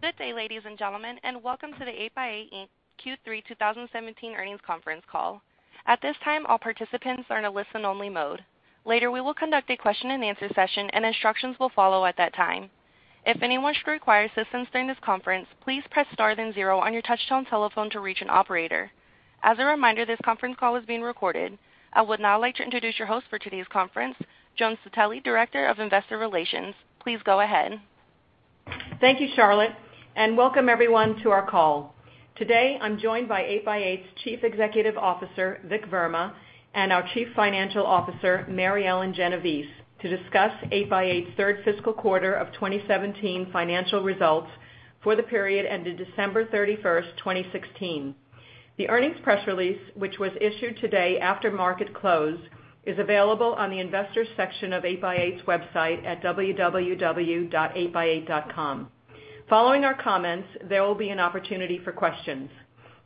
Good day, ladies and gentlemen, welcome to the 8x8 Inc. Q3 2017 earnings conference call. At this time, all participants are in a listen-only mode. Later, we will conduct a question-and-answer session, and instructions will follow at that time. If anyone should require assistance during this conference, please press star then zero on your touchtone telephone to reach an operator. As a reminder, this conference call is being recorded. I would now like to introduce your host for today's conference, Joan Citelli, Director of Investor Relations. Please go ahead. Thank you, Charlotte, and welcome everyone to our call. Today, I'm joined by 8x8's Chief Executive Officer, Vik Verma, and our Chief Financial Officer, Mary Ellen Genovese, to discuss 8x8's third fiscal quarter of 2017 financial results for the period ended December 31st, 2016. The earnings press release, which was issued today after market close, is available on the investors section of 8x8's website at www.8x8.com. Following our comments, there will be an opportunity for questions.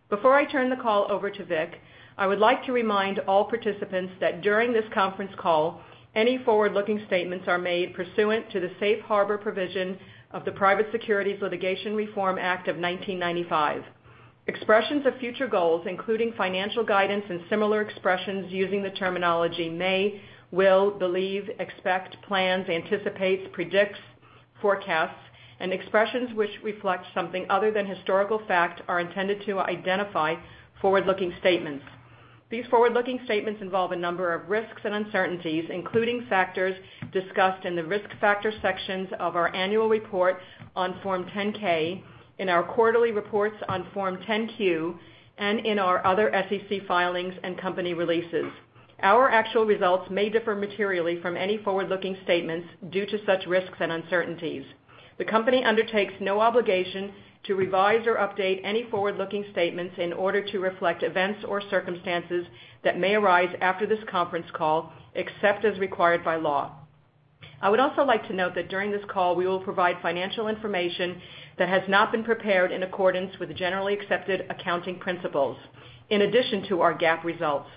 Before I turn the call over to Vik, I would like to remind all participants that during this conference call, any forward-looking statements are made pursuant to the safe harbor provision of the Private Securities Litigation Reform Act of 1995. Expressions of future goals, including financial guidance and similar expressions using the terminology may, will, believe, expect, plans, anticipates, predicts, forecasts, and expressions which reflect something other than historical fact, are intended to identify forward-looking statements. These forward-looking statements involve a number of risks and uncertainties, including factors discussed in the Risk Factor sections of our annual report on Form 10-K, in our quarterly reports on Form 10-Q, and in our other SEC filings and company releases. Our actual results may differ materially from any forward-looking statements due to such risks and uncertainties. The company undertakes no obligation to revise or update any forward-looking statements in order to reflect events or circumstances that may arise after this conference call, except as required by law. I would also like to note that during this call, we will provide financial information that has not been prepared in accordance with generally accepted accounting principles, in addition to our GAAP results.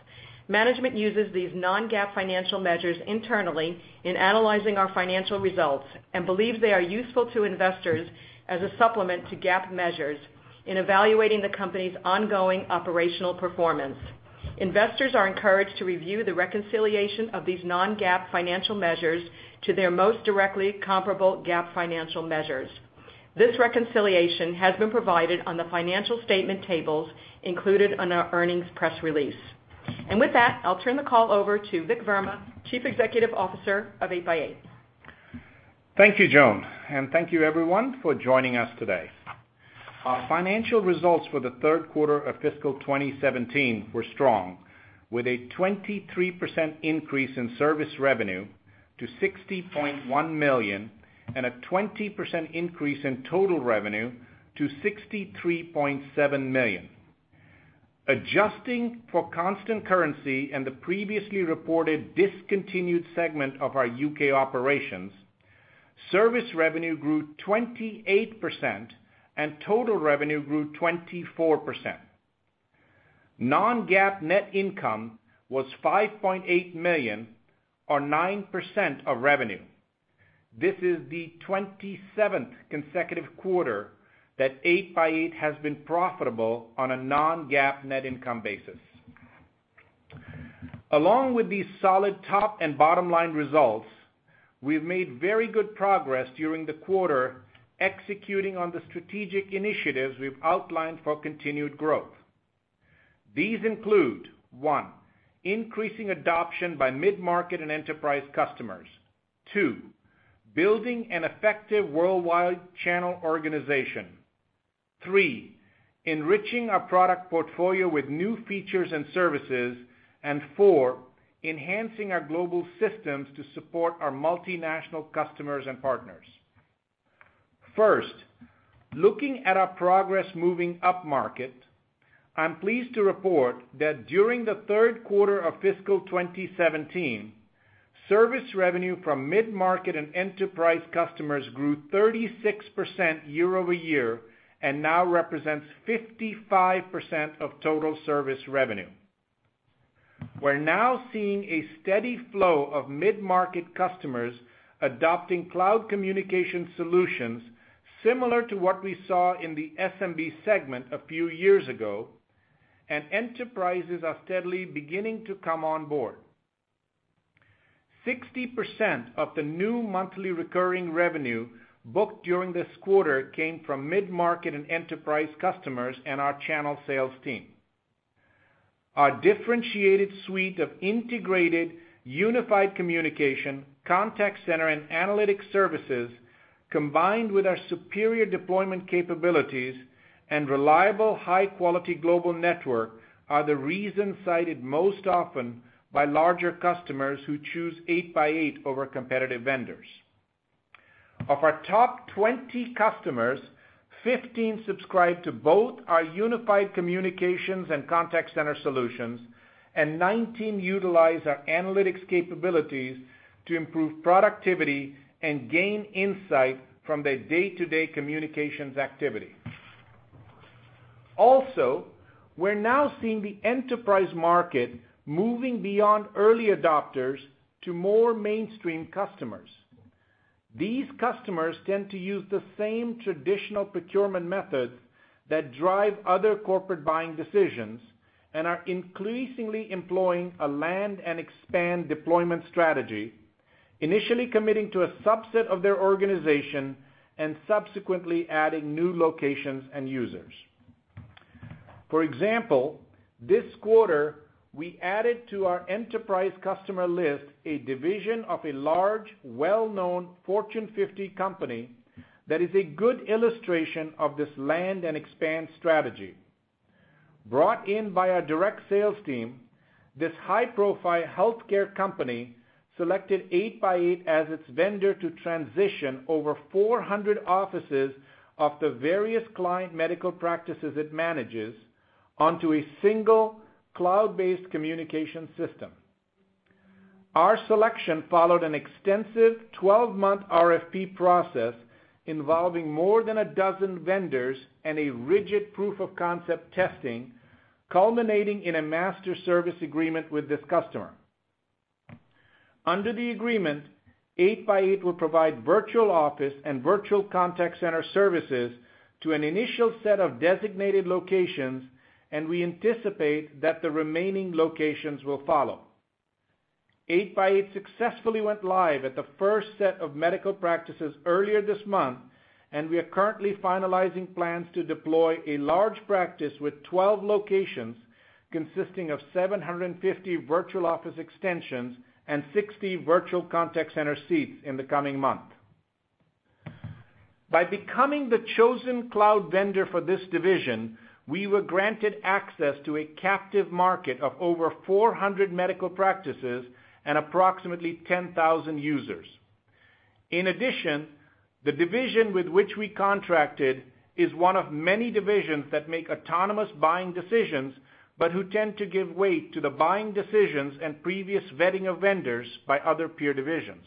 Management uses these non-GAAP financial measures internally in analyzing our financial results and believes they are useful to investors as a supplement to GAAP measures in evaluating the company's ongoing operational performance. Investors are encouraged to review the reconciliation of these non-GAAP financial measures to their most directly comparable GAAP financial measures. This reconciliation has been provided on the financial statement tables included on our earnings press release. With that, I'll turn the call over to Vik Verma, Chief Executive Officer of 8x8. Thank you, Joan, and thank you everyone for joining us today. Our financial results for the third quarter of fiscal 2017 were strong, with a 23% increase in service revenue to $60.1 million and a 20% increase in total revenue to $63.7 million. Adjusting for constant currency and the previously reported discontinued segment of our U.K. operations, service revenue grew 28% and total revenue grew 24%. Non-GAAP net income was $5.8 million or 9% of revenue. This is the 27th consecutive quarter that 8x8 has been profitable on a non-GAAP net income basis. Along with these solid top and bottom-line results, we've made very good progress during the quarter executing on the strategic initiatives we've outlined for continued growth. These include, 1, increasing adoption by mid-market and enterprise customers. 2, building an effective worldwide channel organization. 3, enriching our product portfolio with new features and services. 4, enhancing our global systems to support our multinational customers and partners. First, looking at our progress moving upmarket, I'm pleased to report that during the third quarter of fiscal 2017, service revenue from mid-market and enterprise customers grew 36% year-over-year and now represents 55% of total service revenue. We're now seeing a steady flow of mid-market customers adopting cloud communication solutions similar to what we saw in the SMB segment a few years ago, and enterprises are steadily beginning to come on board. 60% of the new monthly recurring revenue booked during this quarter came from mid-market and enterprise customers and our channel sales team. Our differentiated suite of integrated unified communication, contact center, and analytics services, combined with our superior deployment capabilities and reliable high-quality global network, are the reasons cited most often by larger customers who choose 8x8 over competitive vendors. Of our top 20 customers, 15 subscribe to both our unified communications and contact center solutions, and 19 utilize our analytics capabilities to improve productivity and gain insight from their day-to-day communications activity. Also, we're now seeing the enterprise market moving beyond early adopters to more mainstream customers. These customers tend to use the same traditional procurement methods that drive other corporate buying decisions and are increasingly employing a land-and-expand deployment strategy, initially committing to a subset of their organization, and subsequently adding new locations and users. For example, this quarter, we added to our enterprise customer list a division of a large, well-known Fortune 50 company that is a good illustration of this land-and-expand strategy. Brought in by our direct sales team, this high-profile healthcare company selected 8x8 as its vendor to transition over 400 offices of the various client medical practices it manages onto a single cloud-based communication system. Our selection followed an extensive 12-month RFP process involving more than a dozen vendors and a rigid proof-of-concept testing, culminating in a master service agreement with this customer. Under the agreement, 8x8 will provide Virtual Office and Virtual Contact Center services to an initial set of designated locations, and we anticipate that the remaining locations will follow. 8x8 successfully went live at the first set of medical practices earlier this month, and we are currently finalizing plans to deploy a large practice with 12 locations consisting of 750 Virtual Office extensions and 60 Virtual Contact Center seats in the coming month. By becoming the chosen cloud vendor for this division, we were granted access to a captive market of over 400 medical practices and approximately 10,000 users. In addition, the division with which we contracted is one of many divisions that make autonomous buying decisions but who tend to give weight to the buying decisions and previous vetting of vendors by other peer divisions.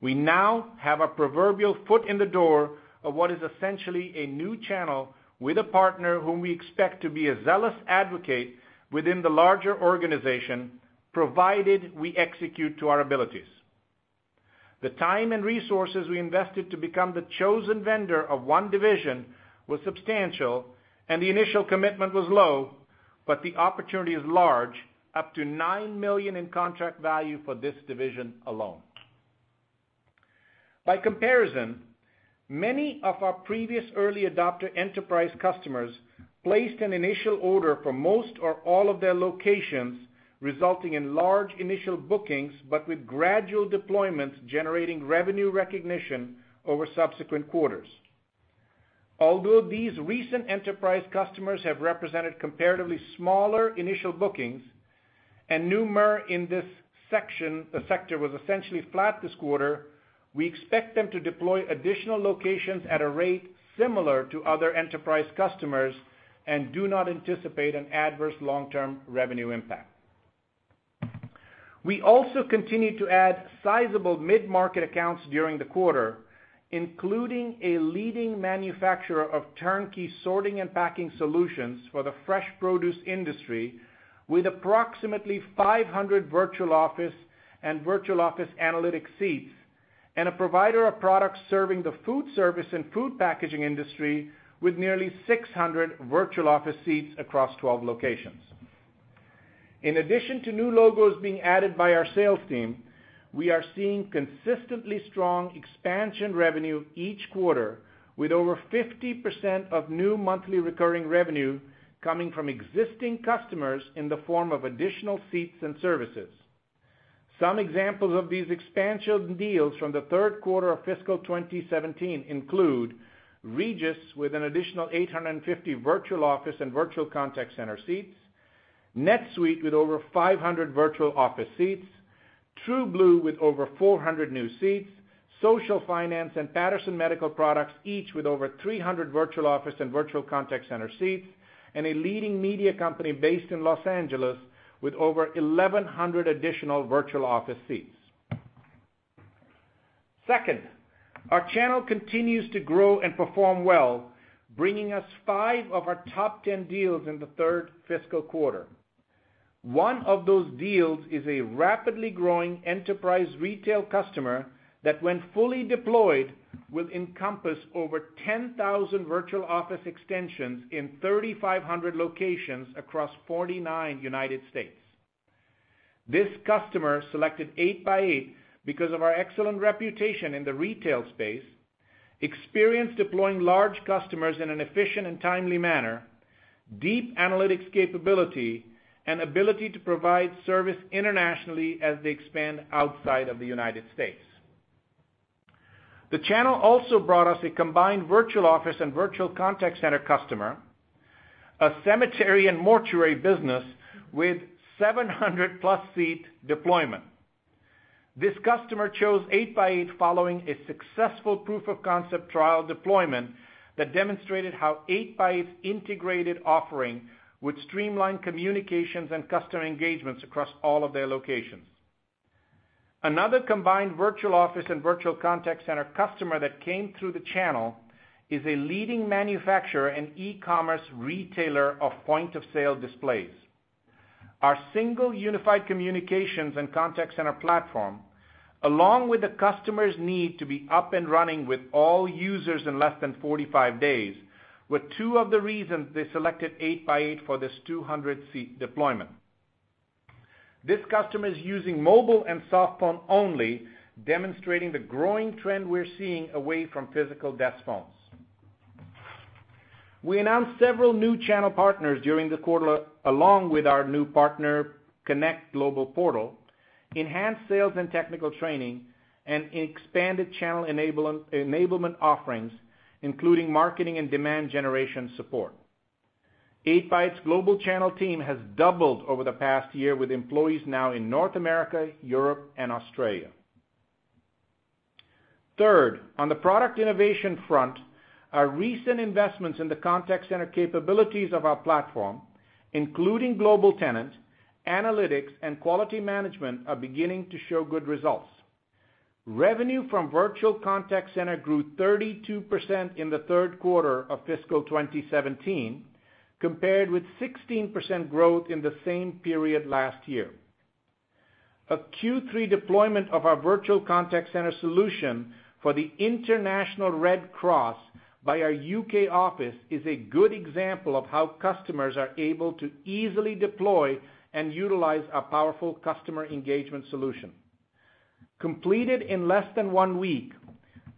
We now have a proverbial foot in the door of what is essentially a new channel with a partner whom we expect to be a zealous advocate within the larger organization, provided we execute to our abilities. The time and resources we invested to become the chosen vendor of one division was substantial, and the initial commitment was low, but the opportunity is large, up to $9 million in contract value for this division alone. By comparison, many of our previous early adopter enterprise customers placed an initial order for most or all of their locations, resulting in large initial bookings, but with gradual deployments generating revenue recognition over subsequent quarters. These recent enterprise customers have represented comparatively smaller initial bookings and new MRR in this section, the sector was essentially flat this quarter, we expect them to deploy additional locations at a rate similar to other enterprise customers and do not anticipate an adverse long-term revenue impact. We also continued to add sizable mid-market accounts during the quarter, including a leading manufacturer of turnkey sorting and packing solutions for the fresh produce industry with approximately 500 Virtual Office and Virtual Office Analytics seats, and a provider of products serving the food service and food packaging industry with nearly 600 Virtual Office seats across 12 locations. In addition to new logos being added by our sales team, we are seeing consistently strong expansion revenue each quarter, with over 50% of new monthly recurring revenue coming from existing customers in the form of additional seats and services. Some examples of these expansion deals from the third quarter of fiscal 2017 include Regis with an additional 850 Virtual Office and Virtual Contact Center seats, NetSuite with over 500 Virtual Office seats, TrueBlue with over 400 new seats, Social Finance and Patterson Medical Products, each with over 300 Virtual Office and Virtual Contact Center seats, and a leading media company based in Los Angeles with over 1,100 additional Virtual Office seats. Second, our channel continues to grow and perform well, bringing us five of our top 10 deals in the third fiscal quarter. One of those deals is a rapidly growing enterprise retail customer that, when fully deployed, will encompass over 10,000 Virtual Office extensions in 3,500 locations across 49 U.S. This customer selected 8x8 because of our excellent reputation in the retail space, experience deploying large customers in an efficient and timely manner, deep analytics capability, and ability to provide service internationally as they expand outside of the U.S. The channel also brought us a combined Virtual Office and Virtual Contact Center customer, a cemetery and mortuary business with 700-plus seat deployment. This customer chose 8x8 following a successful proof-of-concept trial deployment that demonstrated how 8x8's integrated offering would streamline communications and customer engagements across all of their locations. Another combined Virtual Office and Virtual Contact Center customer that came through the channel is a leading manufacturer and e-commerce retailer of point-of-sale displays. Our single unified communications and contact center platform, along with the customer's need to be up and running with all users in less than 45 days, were two of the reasons they selected 8x8 for this 200-seat deployment. This customer is using mobile and soft phone only, demonstrating the growing trend we're seeing away from physical desk phones. We announced several new channel partners during the quarter, along with our new PartnerConnect Global Portal, enhanced sales and technical training, and expanded channel enablement offerings, including marketing and demand generation support. 8x8's global channel team has doubled over the past year, with employees now in North America, Europe, and Australia. Third, on the product innovation front, our recent investments in the contact center capabilities of our platform, including global tenants, analytics, and quality management, are beginning to show good results. Revenue from Virtual Contact Center grew 32% in the third quarter of fiscal 2017, compared with 16% growth in the same period last year. A Q3 deployment of our Virtual Contact Center solution for the International Red Cross by our U.K. office is a good example of how customers are able to easily deploy and utilize our powerful customer engagement solution. Completed in less than one week,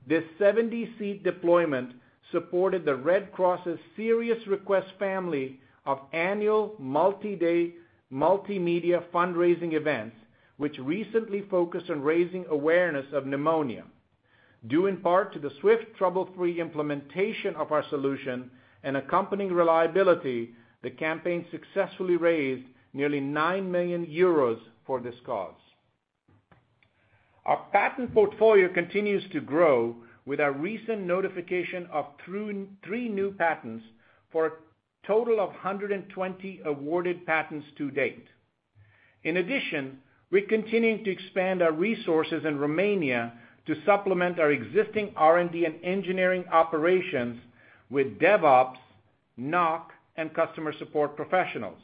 this 70-seat deployment supported the Red Cross's serious request family of annual multi-day, multimedia fundraising events, which recently focused on raising awareness of pneumonia. Due in part to the swift trouble-free implementation of our solution and accompanying reliability, the campaign successfully raised nearly 9 million euros for this cause. Our patent portfolio continues to grow with our recent notification of three new patents for a total of 120 awarded patents to date. In addition, we're continuing to expand our resources in Romania to supplement our existing R&D and engineering operations with DevOps, NOC, and customer support professionals.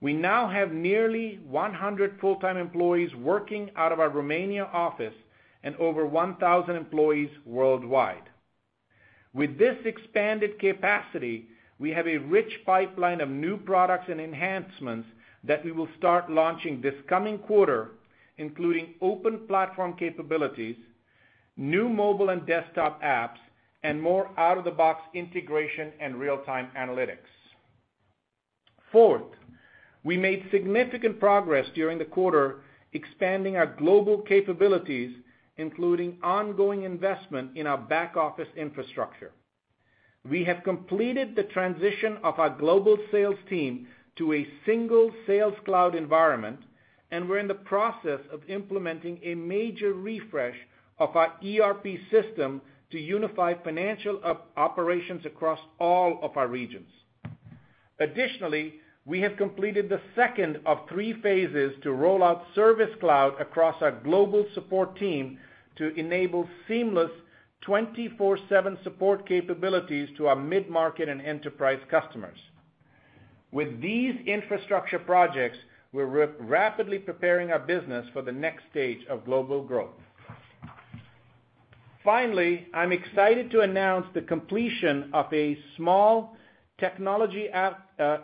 We now have nearly 100 full-time employees working out of our Romania office and over 1,000 employees worldwide. With this expanded capacity, we have a rich pipeline of new products and enhancements that we will start launching this coming quarter, including open platform capabilities, new mobile and desktop apps, and more out-of-the-box integration and real-time analytics. Fourth, we made significant progress during the quarter expanding our global capabilities, including ongoing investment in our back-office infrastructure. We have completed the transition of our global sales team to a single Sales Cloud environment, and we're in the process of implementing a major refresh of our ERP system to unify financial operations across all of our regions. Additionally, we have completed the second of three phases to roll out Service Cloud across our global support team to enable seamless 24/7 support capabilities to our mid-market and enterprise customers. With these infrastructure projects, we're rapidly preparing our business for the next stage of global growth. Finally, I'm excited to announce the completion of a small technology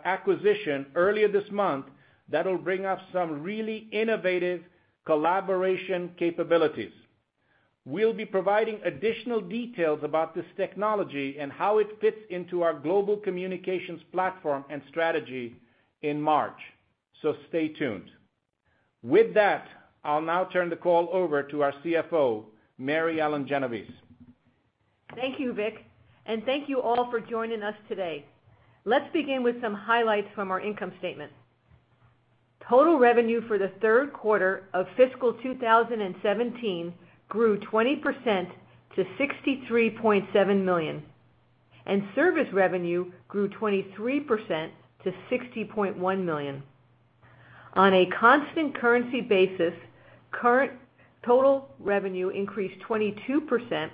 acquisition earlier this month that'll bring us some really innovative collaboration capabilities. We'll be providing additional details about this technology and how it fits into our global communications platform and strategy in March. Stay tuned. With that, I'll now turn the call over to our CFO, Mary Ellen Genovese. Thank you, Vik, and thank you all for joining us today. Let's begin with some highlights from our income statement. Total revenue for the third quarter of fiscal 2017 grew 20% to $63.7 million, and service revenue grew 23% to $60.1 million. On a constant currency basis, total revenue increased 22%,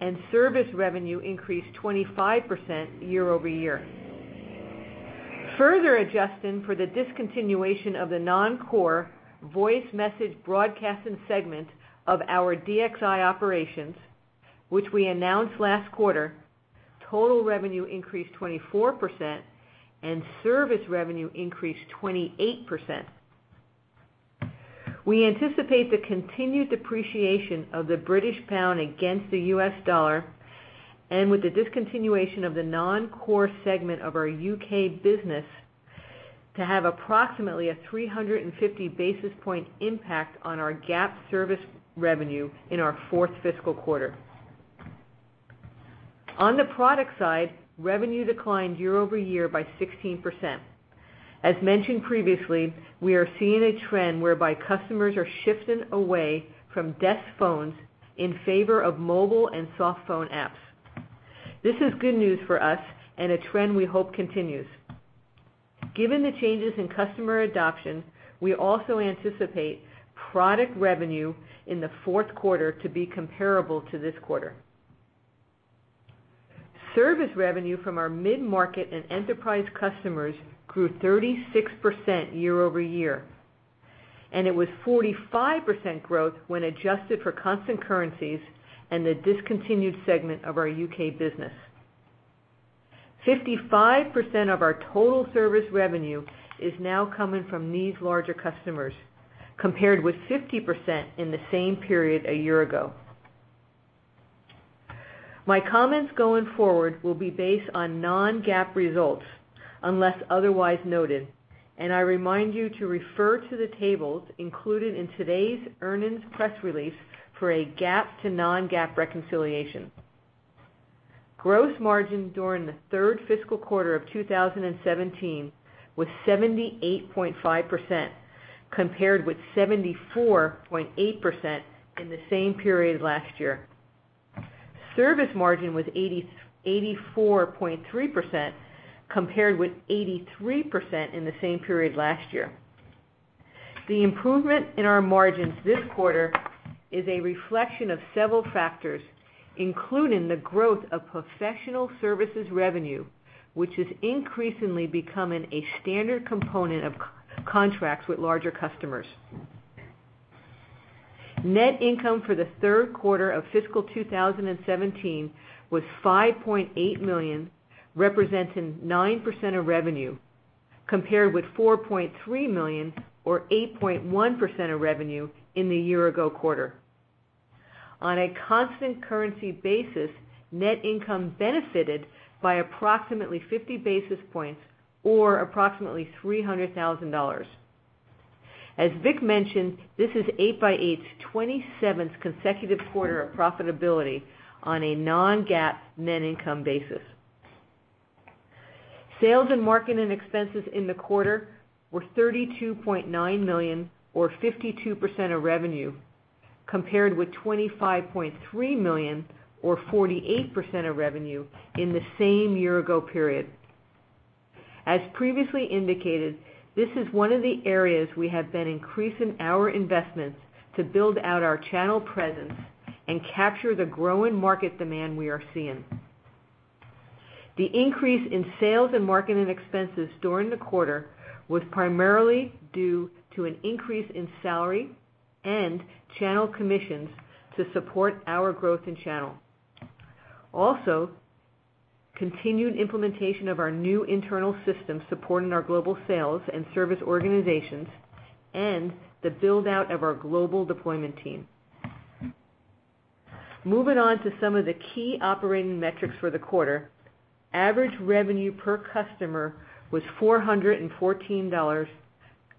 and service revenue increased 25% year-over-year. Further adjusting for the discontinuation of the non-core voice message broadcasting segment of our DXI operations, which we announced last quarter, total revenue increased 24%, and service revenue increased 28%. We anticipate the continued depreciation of the British pound against the US dollar and with the discontinuation of the non-core segment of our U.K. business to have approximately a 350 basis point impact on our GAAP service revenue in our fourth fiscal quarter. On the product side, revenue declined year-over-year by 16%. As mentioned previously, we are seeing a trend whereby customers are shifting away from desk phones in favor of mobile and soft phone apps. This is good news for us and a trend we hope continues. Given the changes in customer adoption, we also anticipate product revenue in the fourth quarter to be comparable to this quarter. Service revenue from our mid-market and enterprise customers grew 36% year-over-year, and it was 45% growth when adjusted for constant currencies and the discontinued segment of our U.K. business. 55% of our total service revenue is now coming from these larger customers, compared with 50% in the same period a year ago. My comments going forward will be based on non-GAAP results unless otherwise noted, and I remind you to refer to the tables included in today's earnings press release for a GAAP to non-GAAP reconciliation. Gross margin during the third fiscal quarter of 2017 was 78.5%, compared with 74.8% in the same period last year. Service margin was 84.3%, compared with 83% in the same period last year. The improvement in our margins this quarter is a reflection of several factors, including the growth of professional services revenue, which is increasingly becoming a standard component of contracts with larger customers. Net income for the third quarter of fiscal 2017 was $5.8 million, representing 9% of revenue, compared with $4.3 million or 8.1% of revenue in the year ago quarter. On a constant currency basis, net income benefited by approximately 50 basis points or approximately $300,000. As Vik mentioned, this is 8x8's 27th consecutive quarter of profitability on a non-GAAP net income basis. Sales and marketing expenses in the quarter were $32.9 million, or 52% of revenue, compared with $25.3 million or 48% of revenue in the same year ago period. As previously indicated, this is one of the areas we have been increasing our investments to build out our channel presence and capture the growing market demand we are seeing. The increase in sales and marketing expenses during the quarter was primarily due to an increase in salary and channel commissions to support our growth in channel. Continued implementation of our new internal system supporting our global sales and service organizations and the build-out of our global deployment team. Moving on to some of the key operating metrics for the quarter. Average revenue per customer was $414,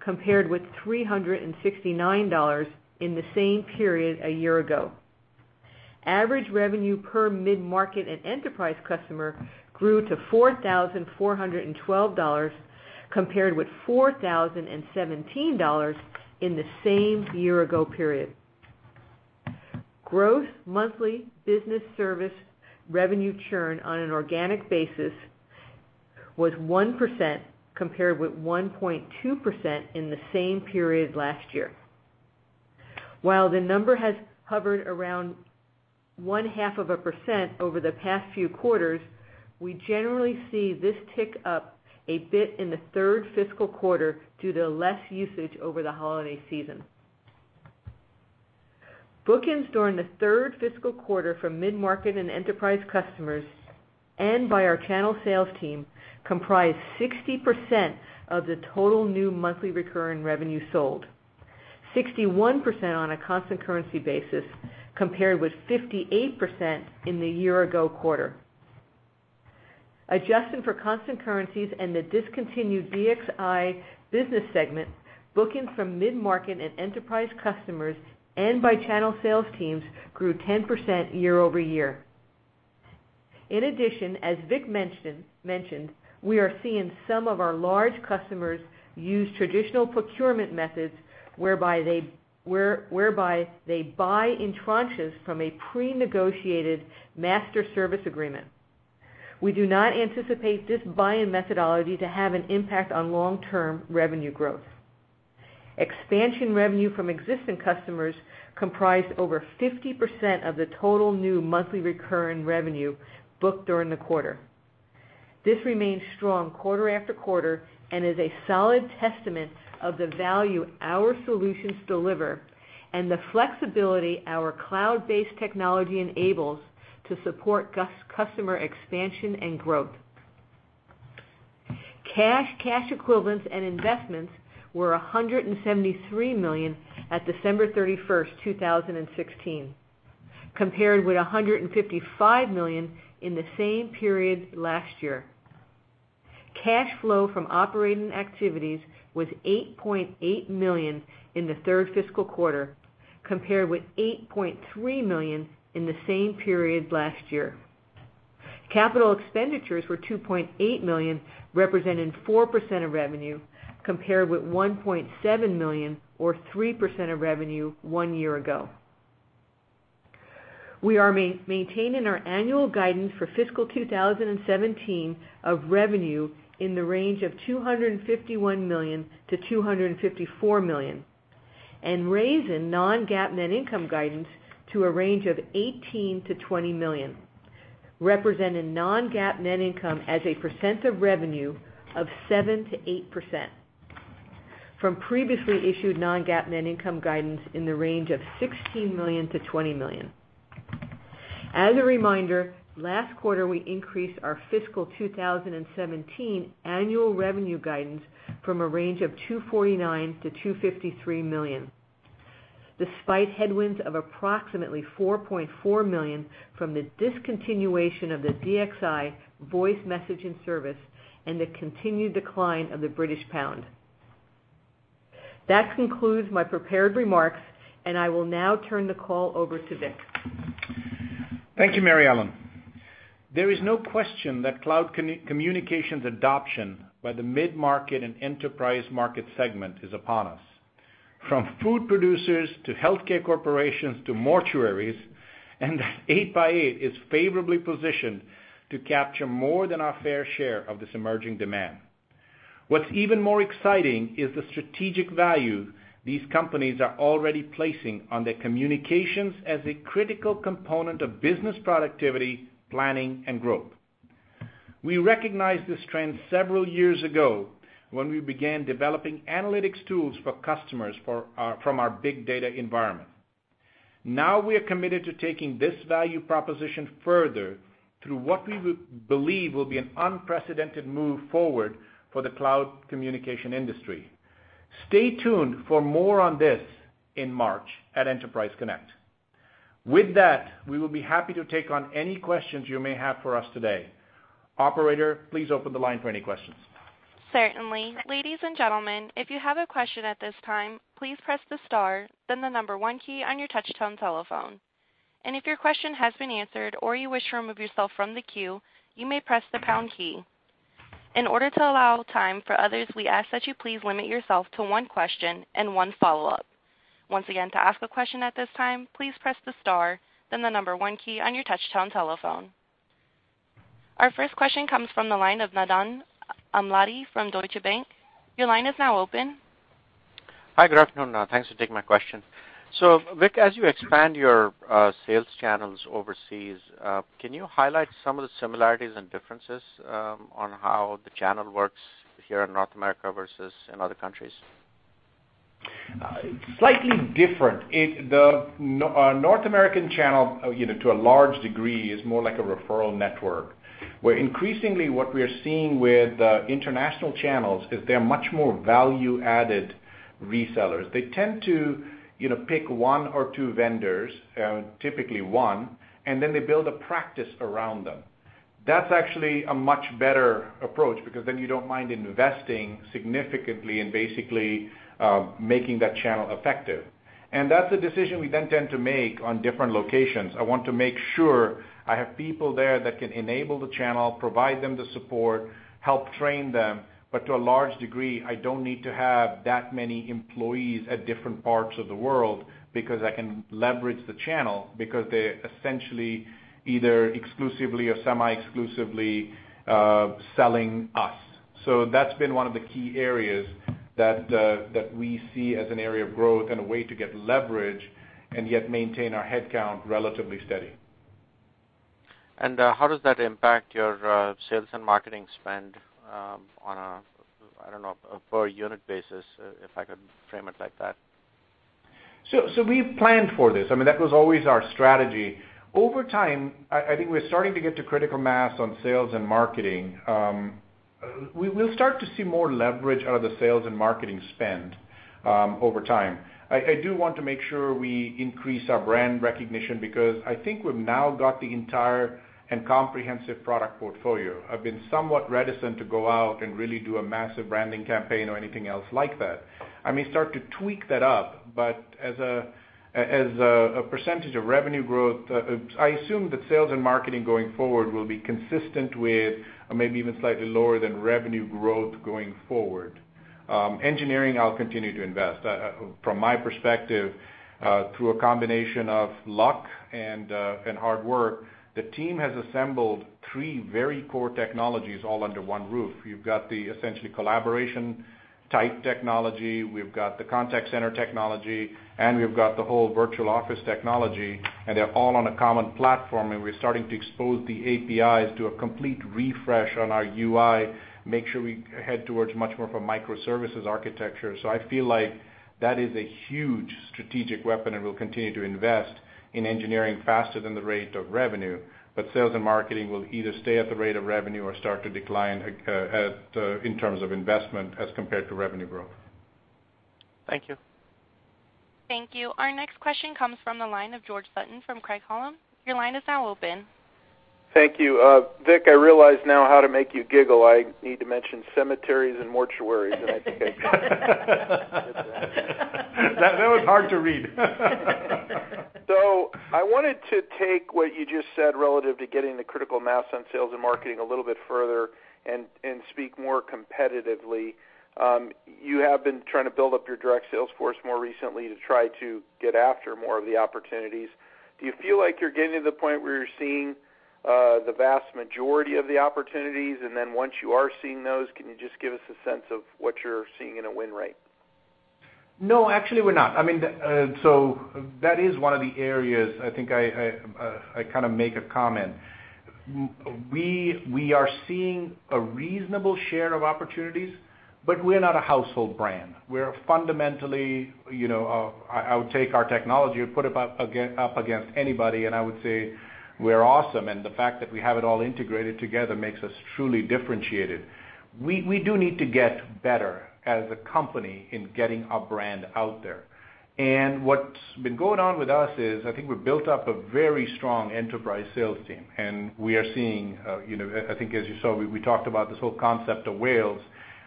compared with $369 in the same period a year ago. Average revenue per mid-market and enterprise customer grew to $4,412, compared with $4,017 in the same year-ago period. Gross monthly business service revenue churn on an organic basis was 1%, compared with 1.2% in the same period last year. While the number has hovered around one-half of a percent over the past few quarters, we generally see this tick up a bit in the third fiscal quarter due to less usage over the holiday season. Bookings during the third fiscal quarter from mid-market and enterprise customers and by our channel sales team comprised 60% of the total new monthly recurring revenue sold, 61% on a constant currency basis, compared with 58% in the year-ago quarter. Adjusted for constant currencies and the discontinued DXI business segment, bookings from mid-market and enterprise customers and by channel sales teams grew 10% year-over-year. As Vik mentioned, we are seeing some of our large customers use traditional procurement methods whereby they buy in tranches from a prenegotiated master service agreement. We do not anticipate this buy-in methodology to have an impact on long-term revenue growth. Expansion revenue from existing customers comprised over 50% of the total new monthly recurring revenue booked during the quarter. This remains strong quarter after quarter and is a solid testament of the value our solutions deliver and the flexibility our cloud-based technology enables to support customer expansion and growth. Cash, cash equivalents and investments were $173 million at December 31st, 2016, compared with $155 million in the same period last year. Cash flow from operating activities was $8.8 million in the third fiscal quarter, compared with $8.3 million in the same period last year. Capital expenditures were $2.8 million, representing 4% of revenue, compared with $1.7 million or 3% of revenue one year ago. We are maintaining our annual guidance for fiscal 2017 of revenue in the range of $251 million-$254 million, raising non-GAAP net income guidance to a range of $18 million-$20 million, representing non-GAAP net income as a percent of revenue of 7%-8%, from previously issued non-GAAP net income guidance in the range of $16 million-$20 million. As a reminder, last quarter, we increased our fiscal 2017 annual revenue guidance from a range of $249 million-$253 million, despite headwinds of approximately $4.4 million from the discontinuation of the DXI voice messaging service and the continued decline of the British pound. That concludes my prepared remarks, I will now turn the call over to Vik. Thank you, Mary Ellen Genovese. There is no question that cloud communications adoption by the mid-market and enterprise market segment is upon us, from food producers to healthcare corporations to mortuaries, and 8x8 is favorably positioned to capture more than our fair share of this emerging demand. What's even more exciting is the strategic value these companies are already placing on their communications as a critical component of business productivity, planning, and growth. We recognized this trend several years ago when we began developing analytics tools for customers from our big data environment. Now we are committed to taking this value proposition further through what we believe will be an unprecedented move forward for the cloud communication industry. Stay tuned for more on this in March at Enterprise Connect. With that, we will be happy to take on any questions you may have for us today. Operator, please open the line for any questions. Certainly. Ladies and gentlemen, if you have a question at this time, please press the star, then the number 1 key on your touch-tone telephone. If your question has been answered or you wish to remove yourself from the queue, you may press the pound key. In order to allow time for others, we ask that you please limit yourself to 1 question and 1 follow-up. Once again, to ask a question at this time, please press the star, then the number 1 key on your touch-tone telephone. Our first question comes from the line of Nandan Amladi from Deutsche Bank. Your line is now open. Hi. Good afternoon. Thanks for taking my question. Vik, as you expand your sales channels overseas, can you highlight some of the similarities and differences on how the channel works here in North America versus in other countries? Slightly different. The North American channel, to a large degree, is more like a referral network. Increasingly what we are seeing with international channels is they're much more value-added resellers. They tend to pick one or two vendors, typically one, and then they build a practice around them. That's actually a much better approach because then you don't mind investing significantly in basically making that channel effective. That's a decision we then tend to make on different locations. I want to make sure I have people there that can enable the channel, provide them the support, help train them. To a large degree, I don't need to have that many employees at different parts of the world because I can leverage the channel because they're essentially either exclusively or semi-exclusively selling us. That's been one of the key areas that we see as an area of growth and a way to get leverage and yet maintain our headcount relatively steady. How does that impact your sales and marketing spend on a, I don't know, per-unit basis, if I could frame it like that? We've planned for this. I mean, that was always our strategy. Over time, I think we're starting to get to critical mass on sales and marketing. We'll start to see more leverage out of the sales and marketing spend over time. I do want to make sure we increase our brand recognition because I think we've now got the entire and comprehensive product portfolio. I've been somewhat reticent to go out and really do a massive branding campaign or anything else like that. I may start to tweak that up, as a % of revenue growth, I assume that sales and marketing going forward will be consistent with or maybe even slightly lower than revenue growth going forward. Engineering, I'll continue to invest. From my perspective, through a combination of luck and hard work, the team has assembled three very core technologies all under one roof. We've got the essentially collaboration-type technology, we've got the contact center technology, and we've got the whole Virtual Office technology, and they're all on a common platform, and we're starting to expose the APIs to a complete refresh on our UI, make sure we head towards much more of a microservices architecture. I feel like that is a huge strategic weapon, and we'll continue to invest in engineering faster than the rate of revenue. Sales and marketing will either stay at the rate of revenue or start to decline in terms of investment as compared to revenue growth. Thank you. Thank you. Our next question comes from the line of George Sutton from Craig-Hallum. Your line is now open. Thank you. Vik, I realize now how to make you giggle. I need to mention cemeteries and mortuaries, and I think I got it. That was hard to read. I wanted to take what you just said relative to getting the critical mass on sales and marketing a little bit further and speak more competitively. You have been trying to build up your direct sales force more recently to try to get after more of the opportunities. Do you feel like you're getting to the point where you're seeing the vast majority of the opportunities? And then once you are seeing those, can you just give us a sense of what you're seeing in a win rate? No, actually we're not. That is one of the areas I think I make a comment. We are seeing a reasonable share of opportunities, but we're not a household brand. I would take our technology and put it up against anybody, and I would say we're awesome, and the fact that we have it all integrated together makes us truly differentiated. We do need to get better as a company in getting our brand out there. What's been going on with us is, I think we've built up a very strong enterprise sales team, we talked about this whole concept of whales.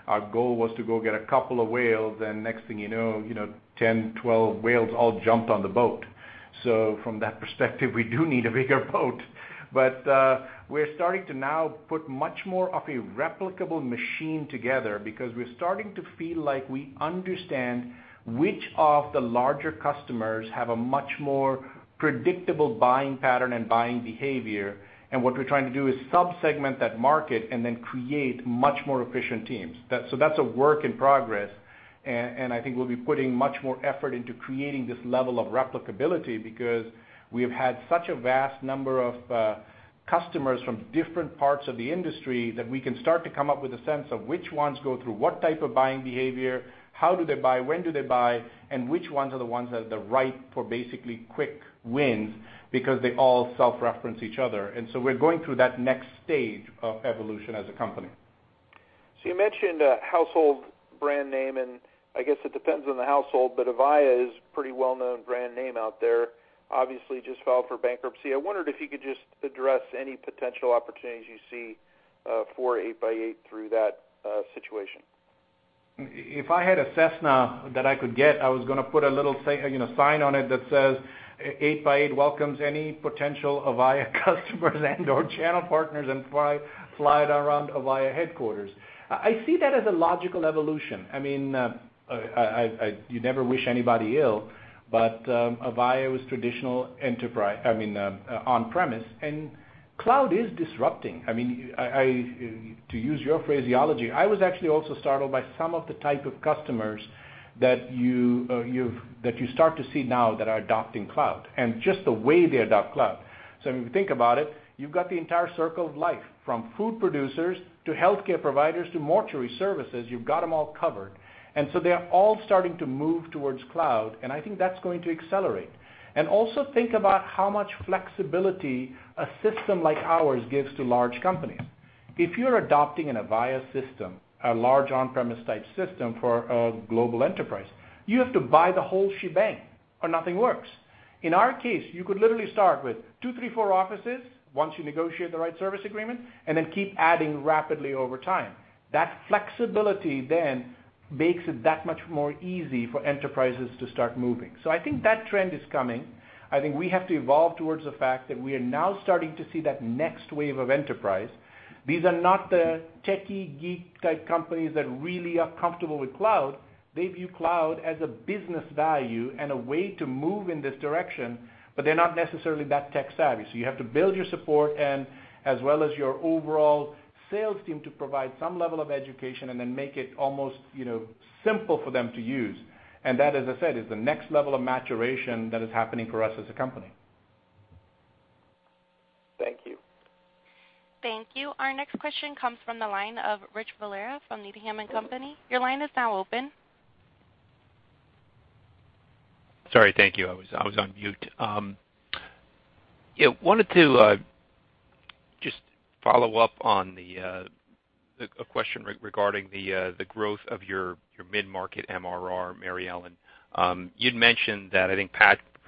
Our goal was to go get a couple of whales, and next thing you know 10, 12 whales all jumped on the boat. From that perspective, we do need a bigger boat. We're starting to now put much more of a replicable machine together because we're starting to feel like we understand which of the larger customers have a much more predictable buying pattern and buying behavior. What we're trying to do is sub-segment that market and then create much more efficient teams. That's a work in progress, and I think we'll be putting much more effort into creating this level of replicability because we've had such a vast number of customers from different parts of the industry that we can start to come up with a sense of which ones go through what type of buying behavior, how do they buy, when do they buy, and which ones are the ones that are the right for basically quick wins because they all self-reference each other. We're going through that next stage of evolution as a company. You mentioned a household brand name, and I guess it depends on the household, but Avaya is pretty well-known brand name out there. Obviously just filed for bankruptcy. I wondered if you could just address any potential opportunities you see for 8x8 through that situation. If I had a Cessna that I could get, I was going to put a little sign on it that says, "8x8 welcomes any potential Avaya customers and/or channel partners," and fly it around Avaya headquarters. I see that as a logical evolution. You never wish anybody ill, but Avaya was traditional on-premise, and cloud is disrupting. To use your phraseology, I was actually also startled by some of the type of customers that you start to see now that are adopting cloud, and just the way they adopt cloud. If you think about it, you've got the entire circle of life, from food producers to healthcare providers to mortuary services. You've got them all covered. They're all starting to move towards cloud, and I think that's going to accelerate. Think about how much flexibility a system like ours gives to large companies. If you're adopting an Avaya system, a large on-premise type system for a global enterprise, you have to buy the whole shebang, or nothing works. In our case, you could literally start with two, three, four offices once you negotiate the right service agreement, and then keep adding rapidly over time. That flexibility then makes it that much more easy for enterprises to start moving. I think that trend is coming. I think we have to evolve towards the fact that we are now starting to see that next wave of enterprise. These are not the techie geek type companies that really are comfortable with cloud. They view cloud as a business value and a way to move in this direction, but they're not necessarily that tech savvy. You have to build your support and as well as your overall sales team to provide some level of education and then make it almost simple for them to use. That, as I said, is the next level of maturation that is happening for us as a company. Thank you. Thank you. Our next question comes from the line of Rich Valera from Needham & Company. Your line is now open. Sorry, thank you. I was on mute. Wanted to just follow up on a question regarding the growth of your mid-market MRR, Mary Ellen. You had mentioned that, I think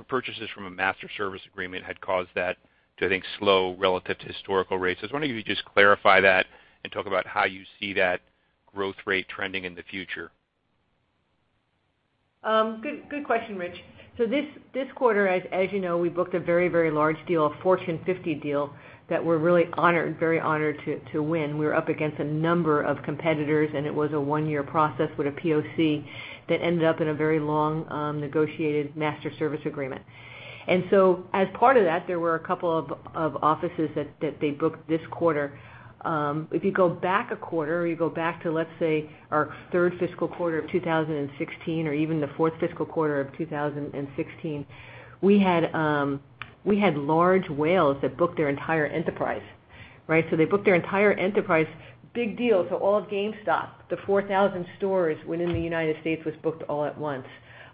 purchases from a master service agreement had caused that to slow relative to historical rates. I was wondering if you could just clarify that and talk about how you see that growth rate trending in the future. Good question, Rich. This quarter, as you know, we booked a very large deal, a Fortune 50 deal that we are really very honored to win. We were up against a number of competitors, and it was a one-year process with a POC that ended up in a very long negotiated master service agreement. As part of that, there were a couple of offices that they booked this quarter. If you go back a quarter, or you go back to, let's say, our third fiscal quarter of 2016 or even the fourth fiscal quarter of 2016, we had large whales that booked their entire enterprise. They booked their entire enterprise, big deal. All of GameStop, the 4,000 stores within the United States was booked all at once.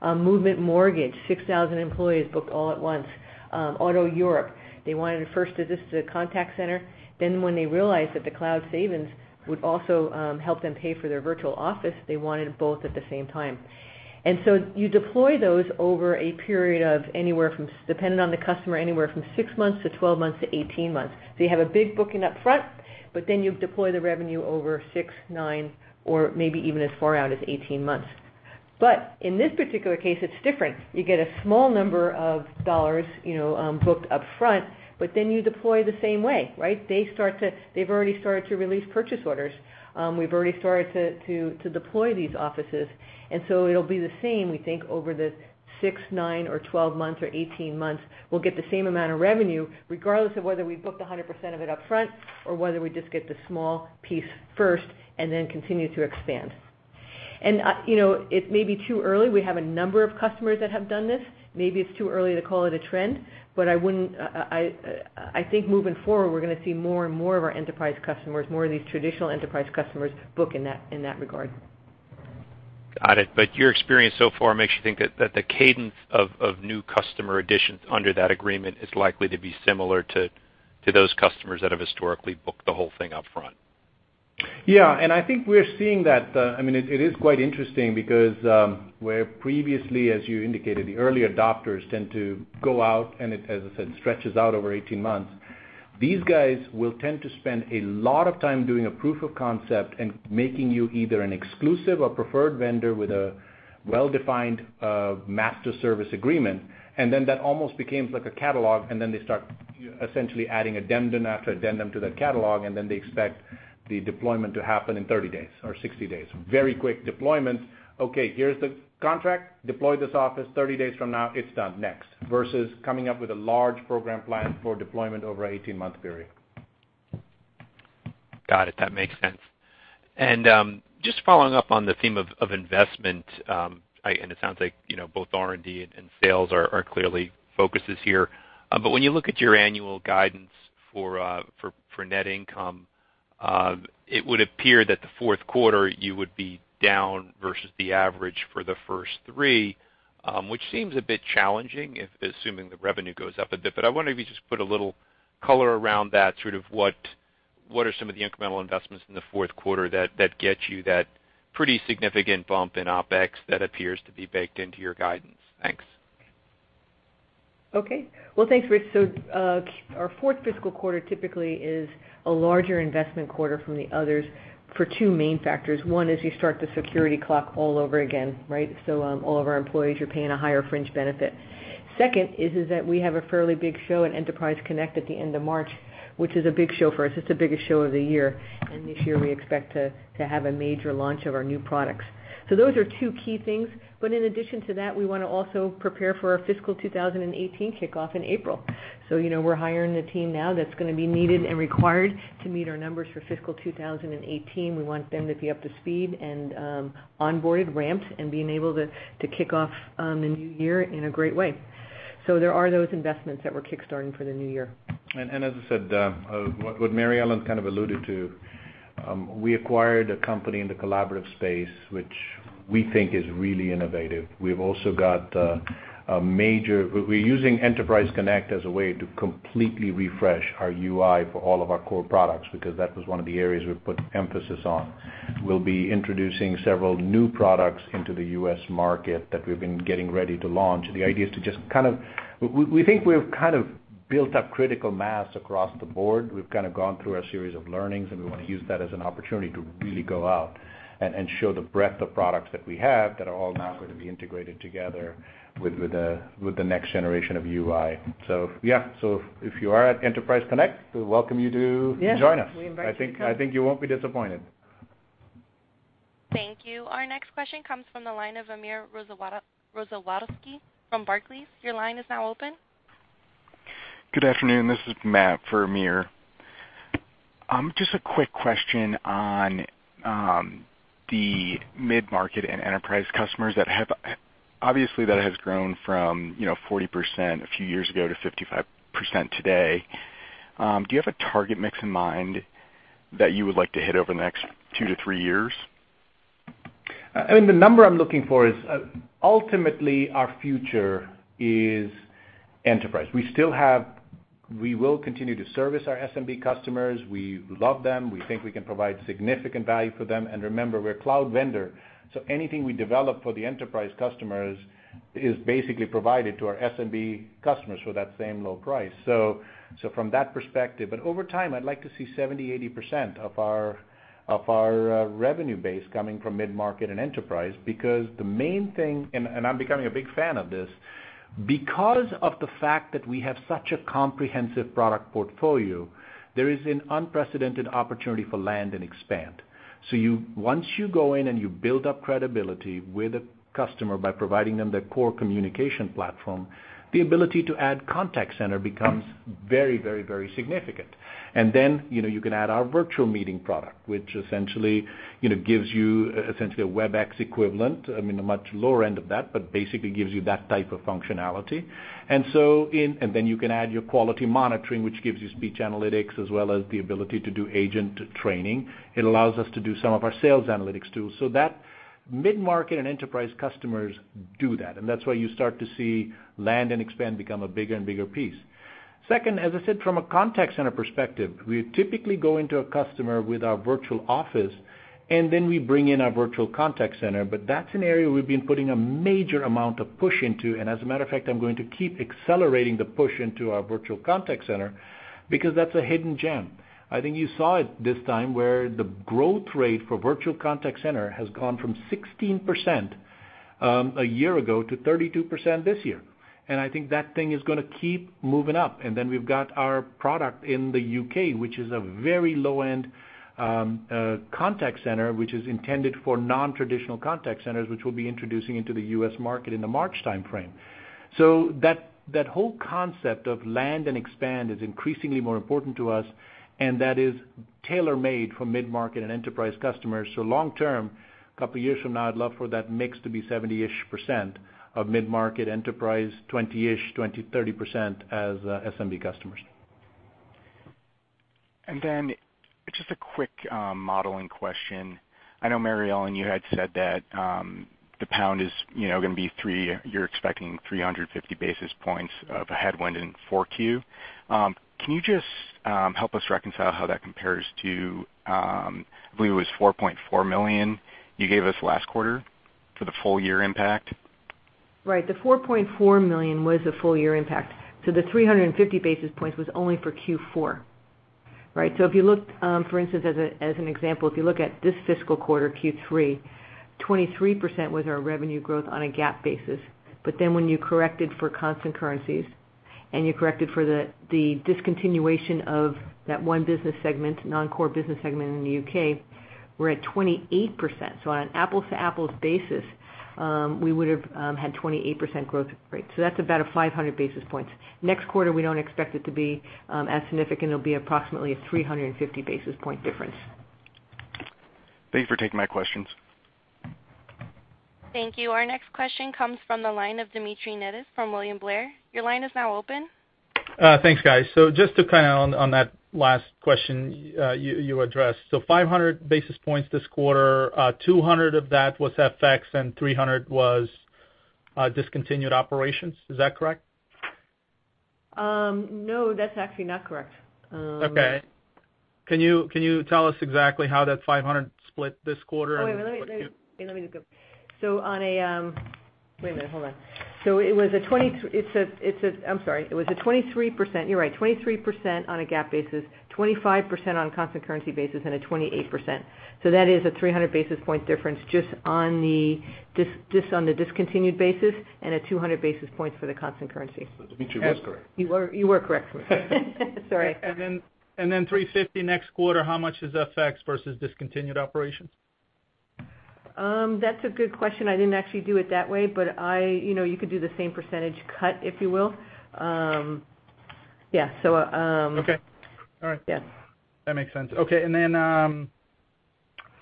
Movement Mortgage, 6,000 employees booked all at once. Otto Europe, they wanted first just the contact center, then when they realized that the cloud savings would also help them pay for their Virtual Office, they wanted both at the same time. You deploy those over a period of anywhere from, dependent on the customer, anywhere from six months to 12 months to 18 months. You have a big booking up front, but then you deploy the revenue over six, nine, or maybe even as far out as 18 months. In this particular case, it's different. You get a small number of $ booked up front, but then you deploy the same way. They've already started to release purchase orders. We've already started to deploy these offices. It'll be the same, we think, over the six, nine, or 12 months or 18 months. We'll get the same amount of revenue regardless of whether we booked 100% of it up front or whether we just get the small piece first and then continue to expand. It may be too early. We have a number of customers that have done this. Maybe it's too early to call it a trend, but I think moving forward, we're going to see more and more of our enterprise customers, more of these traditional enterprise customers book in that regard. Got it. Your experience so far makes you think that the cadence of new customer additions under that agreement is likely to be similar to those customers that have historically booked the whole thing up front. Yeah. I think we're seeing that. It is quite interesting because where previously, as you indicated, the early adopters tend to go out, and as I said, stretches out over 18 months. These guys will tend to spend a lot of time doing a proof of concept and making you either an exclusive or preferred vendor with a well-defined master service agreement, then that almost becomes like a catalog, then they start essentially adding addendum after addendum to that catalog, then they expect the deployment to happen in 30 days or 60 days. Very quick deployments. Okay, here's the contract, deploy this office 30 days from now, it's done. Next. Versus coming up with a large program plan for deployment over an 18-month period. Got it. That makes sense. Just following up on the theme of investment, it sounds like both R&D and sales are clearly focuses here. When you look at your annual guidance for net income, it would appear that the fourth quarter you would be down versus the average for the first three, which seems a bit challenging, assuming the revenue goes up a bit. I wonder if you just put a little color around that, sort of what are some of the incremental investments in the fourth quarter that get you that pretty significant bump in OpEx that appears to be baked into your guidance? Thanks. Okay. Well, thanks, Rich. Our fourth fiscal quarter typically is a larger investment quarter from the others for two main factors. One is you start the security clock all over again, right? All of our employees are paying a higher fringe benefit. Second is that we have a fairly big show at Enterprise Connect at the end of March, which is a big show for us. It's the biggest show of the year, and this year we expect to have a major launch of our new products. Those are two key things. In addition to that, we want to also prepare for our fiscal 2018 kickoff in April. We're hiring the team now that's going to be needed and required to meet our numbers for fiscal 2018. We want them to be up to speed and onboarded, ramped, and being able to kick off the new year in a great way. There are those investments that we're kickstarting for the new year. As I said, what Mary Ellen kind of alluded to, we acquired a company in the collaborative space, which we think is really innovative. We're using Enterprise Connect as a way to completely refresh our UI for all of our core products, because that was one of the areas we put emphasis on. We'll be introducing several new products into the U.S. market that we've been getting ready to launch. We think we've kind of built up critical mass across the board. We've gone through a series of learnings, we want to use that as an opportunity to really go out and show the breadth of products that we have that are all now going to be integrated together with the next generation of UI. Yeah. If you are at Enterprise Connect, we welcome you to join us. Yeah. We invite you to come. I think you won't be disappointed. Thank you. Our next question comes from the line of Amir Rozwadowski from Barclays. Your line is now open. Good afternoon. This is Matt for Amir. Just a quick question on the mid-market and enterprise customers. Obviously, that has grown from 40% a few years ago to 55% today. Do you have a target mix in mind that you would like to hit over the next two to three years? The number I'm looking for is, ultimately our future is enterprise. We will continue to service our SMB customers. We love them. We think we can provide significant value for them. Remember, we're a cloud vendor, so anything we develop for the enterprise customers is basically provided to our SMB customers for that same low price from that perspective. Over time, I'd like to see 70%-80% of our revenue base coming from mid-market and enterprise. I'm becoming a big fan of this. Because of the fact that we have such a comprehensive product portfolio, there is an unprecedented opportunity for land and expand. Once you go in and you build up credibility with a customer by providing them their core communication platform, the ability to add contact center becomes very significant. You can add our Virtual Meeting product, which essentially gives you essentially a Webex equivalent, a much lower end of that, but basically gives you that type of functionality. You can add your quality monitoring, which gives you speech analytics as well as the ability to do agent training. It allows us to do some of our sales analytics too. That mid-market and enterprise customers do that, and that's why you start to see land and expand become a bigger and bigger piece. Second, as I said, from a contact center perspective, we typically go into a customer with our Virtual Office and then we bring in our Virtual Contact Center. That's an area we've been putting a major amount of push into. As a matter of fact, I'm going to keep accelerating the push into our Virtual Contact Center because that's a hidden gem. I think you saw it this time where the growth rate for Virtual Contact Center has gone from 16% a year ago to 32% this year. I think that thing is going to keep moving up. Then we've got our product in the U.K., which is a very low-end contact center, which is intended for non-traditional contact centers, which we'll be introducing into the U.S. market in the March timeframe. That whole concept of land and expand is increasingly more important to us, and that is tailor-made for mid-market and enterprise customers. Long term, a couple of years from now, I'd love for that mix to be 70%-ish of mid-market enterprise, 20%-ish, 20%-30% as SMB customers. Just a quick modeling question. I know, Mary Ellen, you had said that the pound is going to be three, you're expecting 350 basis points of a headwind in 4Q. Can you just help us reconcile how that compares to, I believe it was $4.4 million you gave us last quarter for the full year impact? Right. The $4.4 million was a full year impact. The 350 basis points was only for Q4. If you looked, for instance, as an example, if you look at this fiscal quarter, Q3, 23% was our revenue growth on a GAAP basis. When you correct it for constant currencies and you correct it for the discontinuation of that one business segment, non-core business segment in the U.K., we're at 28%. On an apples-to-apples basis, we would have had 28% growth rate. That's about a 500 basis points. Next quarter, we don't expect it to be as significant. It'll be approximately a 350 basis point difference. Thanks for taking my questions. Thank you. Our next question comes from the line of Dmitry Netis from William Blair. Your line is now open. Thanks, guys. Just to kind of on that last question you addressed, so 500 basis points this quarter, 200 of that was FX and 300 was discontinued operations. Is that correct? No, that's actually not correct. Okay. Can you tell us exactly how that 500 split this quarter? Wait a minute. Hold on. I'm sorry. It was a 23%, you're right, 23% on a GAAP basis, 25% on constant currency basis, and a 28%. That is a 300 basis point difference just on the discontinued basis and a 200 basis points for the constant currency. Dmitry was correct. You were correct. Sorry. Then $350 next quarter, how much is FX versus discontinued operations? That's a good question. I didn't actually do it that way, but you could do the same percentage cut, if you will. Yeah. Okay. All right. Yeah. That makes sense. Okay.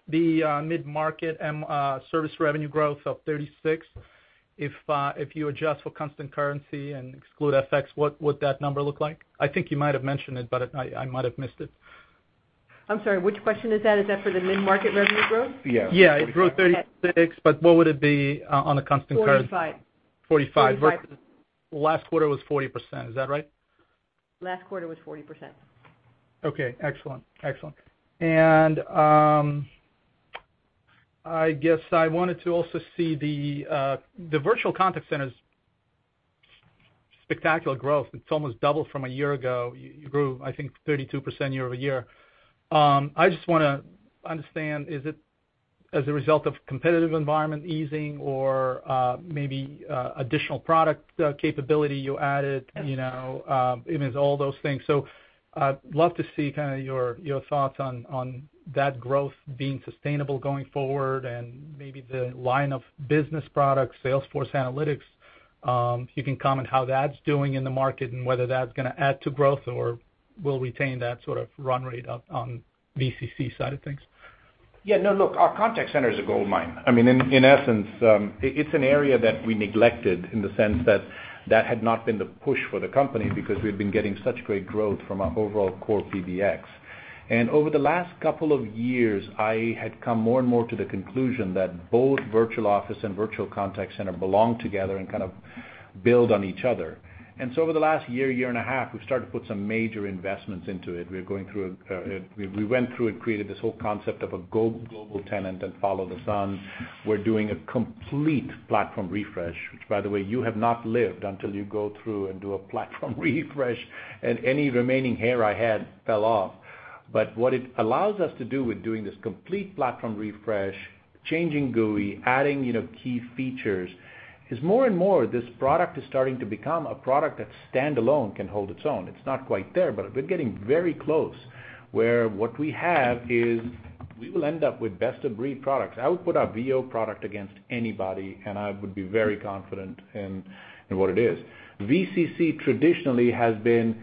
The mid-market service revenue growth of 36%, if you adjust for constant currency and exclude FX, what would that number look like? I think you might have mentioned it, but I might have missed it. I'm sorry, which question is that? Is that for the mid-market revenue growth? Yeah. Yeah. It grew 36%, what would it be on a constant currency? 45. 45% versus last quarter was 40%. Is that right? Last quarter was 40%. Okay, excellent. I guess I wanted to also see the Virtual Contact Center's spectacular growth. It's almost doubled from a year ago. You grew, I think, 32% year-over-year. I just want to understand, is it as a result of competitive environment easing or maybe additional product capability you added? Yes. It means all those things. I'd love to see kind of your thoughts on that growth being sustainable going forward and maybe the line of business products, Salesforce analytics, if you can comment how that's doing in the market and whether that's going to add to growth or will retain that sort of run rate up on VCC side of things. Yeah, no, look, our contact center is a goldmine. I mean, in essence, it's an area that we neglected in the sense that that had not been the push for the company because we've been getting such great growth from our overall core PBX. Over the last couple of years, I had come more and more to the conclusion that both Virtual Office and Virtual Contact Center belong together and kind of build on each other. Over the last year and a half, we've started to put some major investments into it. We went through and created this whole concept of a global tenant and follow the sun. We're doing a complete platform refresh, which by the way, you have not lived until you go through and do a platform refresh, and any remaining hair I had fell off. What it allows us to do with doing this complete platform refresh, changing GUI, adding key features, is more and more, this product is starting to become a product that standalone can hold its own. It's not quite there, but we're getting very close, where what we have is we will end up with best-of-breed products. I would put our VO product against anybody, and I would be very confident in what it is. VCC traditionally has been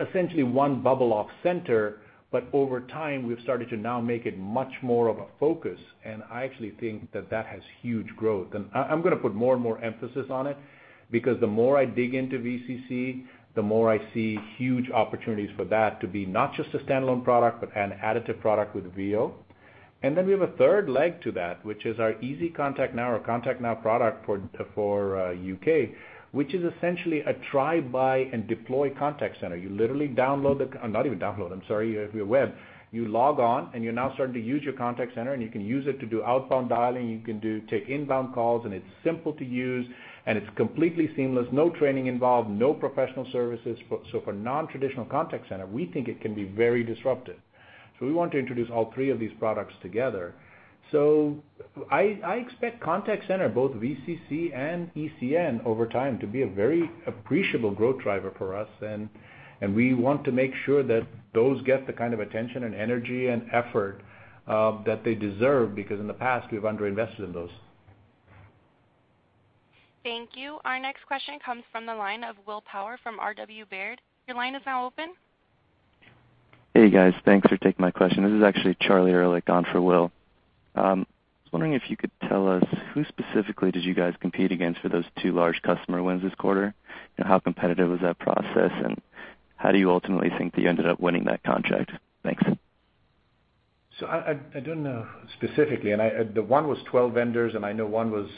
essentially one bubble off center, but over time, we've started to now make it much more of a focus, and I actually think that that has huge growth. I'm going to put more and more emphasis on it because the more I dig into VCC, the more I see huge opportunities for that to be not just a standalone product, but an additive product with VO. We have a third leg to that, which is our EasyContactNow or ContactNow product for U.K., which is essentially a try, buy, and deploy contact center. You literally Not even download, I'm sorry, via web. You log on, and you're now starting to use your contact center, and you can use it to do outbound dialing. You can do take inbound calls, and it's simple to use, and it's completely seamless. No training involved, no professional services. For non-traditional contact center, we think it can be very disruptive. We want to introduce all three of these products together. I expect contact center, both VCC and ECN over time to be a very appreciable growth driver for us, and we want to make sure that those get the kind of attention and energy and effort that they deserve, because in the past, we've underinvested in those. Thank you. Our next question comes from the line of Will Power from RW Baird. Your line is now open. Hey, guys. Thanks for taking my question. This is actually Charlie Ehrlich on for Will. I was wondering if you could tell us who specifically did you guys compete against for those two large customer wins this quarter, and how competitive was that process, and how do you ultimately think that you ended up winning that contract? Thanks. I don't know specifically, the one was 12 vendors, I know one was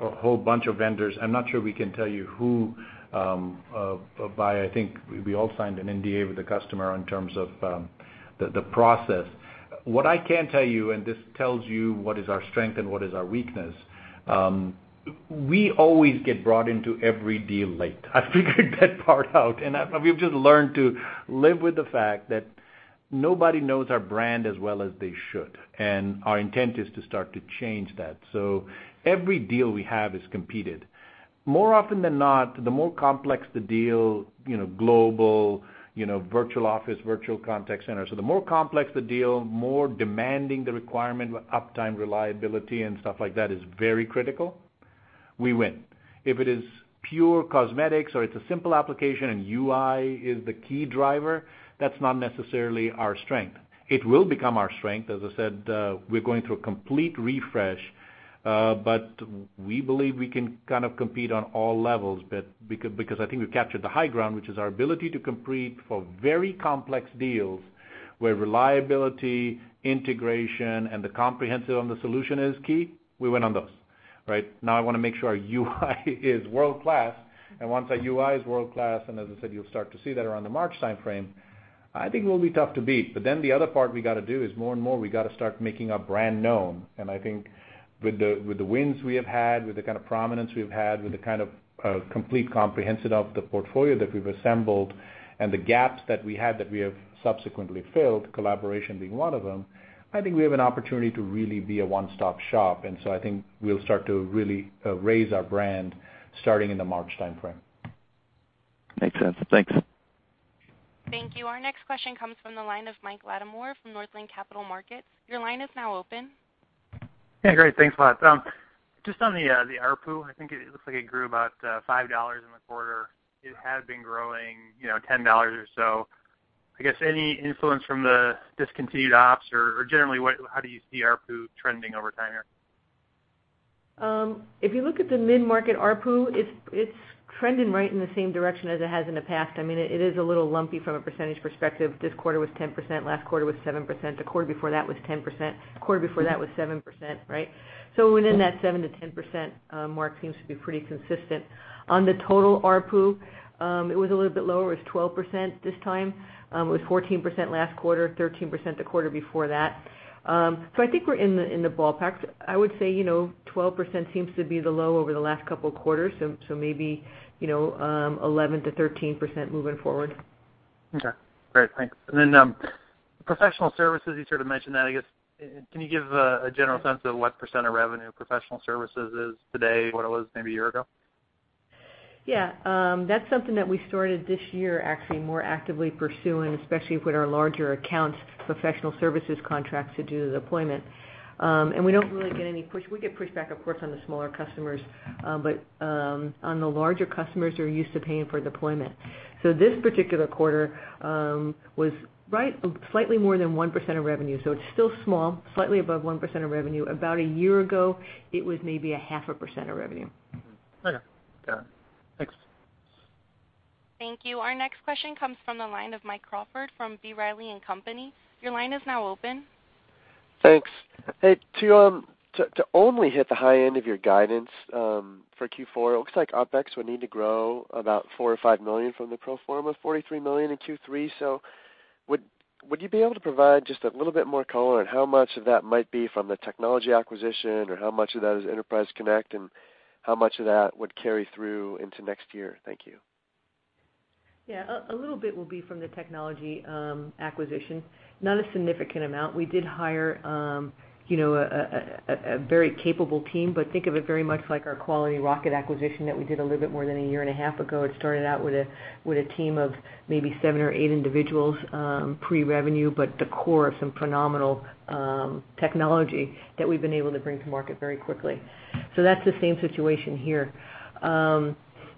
a whole bunch of vendors. I'm not sure we can tell you who, but I think we all signed an NDA with the customer in terms of the process. What I can tell you, this tells you what is our strength and what is our weakness, we always get brought into every deal late. I figured that part out, we've just learned to live with the fact that nobody knows our brand as well as they should, our intent is to start to change that. Every deal we have is competed. More often than not, the more complex the deal, global, Virtual Office, Virtual Contact Center. The more complex the deal, more demanding the requirement with uptime, reliability, and stuff like that is very critical, we win. If it is pure cosmetics or it's a simple application and UI is the key driver, that's not necessarily our strength. It will become our strength. As I said, we're going through a complete refresh. We believe we can kind of compete on all levels, because I think we've captured the high ground, which is our ability to compete for very complex deals where reliability, integration, and the comprehensive on the solution is key. We win on those. Right? I want to make sure our UI is world-class, once our UI is world-class, as I said, you'll start to see that around the March timeframe, I think we'll be tough to beat. The other part we got to do is more and more, we got to start making our brand known. I think with the wins we have had, with the kind of prominence we've had, with the kind of complete comprehensive of the portfolio that we've assembled, the gaps that we had that we have subsequently filled, collaboration being one of them, I think we have an opportunity to really be a one-stop shop. I think we'll start to really raise our brand starting in the March timeframe. Makes sense. Thanks. Thank you. Our next question comes from the line of Mike Latimore from Northland Capital Markets. Your line is now open. Yeah, great. Thanks a lot. Just on the ARPU, I think it looks like it grew about $5 in the quarter. It had been growing $10 or so. I guess any influence from the discontinued ops or generally, how do you see ARPU trending over time here? If you look at the mid-market ARPU, it's trending right in the same direction as it has in the past. It is a little lumpy from a percentage perspective. This quarter was 10%, last quarter was 7%, the quarter before that was 10%, the quarter before that was 7%, right? Within that 7%-10% mark seems to be pretty consistent. On the total ARPU, it was a little bit lower. It was 12% this time. It was 14% last quarter, 13% the quarter before that. I think we're in the ballpark. I would say 12% seems to be the low over the last couple of quarters, so maybe 11%-13% moving forward. Okay. Great. Thanks. Professional services, you sort of mentioned that. I guess, can you give a general sense of what % of revenue professional services is today, what it was maybe a year ago? Yeah. That's something that we started this year, actually more actively pursuing, especially with our larger accounts, professional services contracts to do the deployment. We get pushback, of course, on the smaller customers. On the larger customers who are used to paying for deployment. This particular quarter was right slightly more than 1% of revenue. It's still small, slightly above 1% of revenue. About a year ago, it was maybe a half a % of revenue. Okay, got it. Thanks. Thank you. Our next question comes from the line of Mike Crawford from B. Riley & Co. Your line is now open. Thanks. To only hit the high end of your guidance for Q4, it looks like OpEx would need to grow about $4 million or $5 million from the pro forma of $43 million in Q3. Would you be able to provide just a little bit more color on how much of that might be from the technology acquisition, or how much of that is Enterprise Connect, and how much of that would carry through into next year? Thank you. Yeah. A little bit will be from the technology acquisition. Not a significant amount. We did hire a very capable team, but think of it very much like our Quality Software Corporation acquisition that we did a little bit more than a year and a half ago. It started out with a team of maybe seven or eight individuals pre-revenue, but the core of some phenomenal technology that we've been able to bring to market very quickly. That's the same situation here.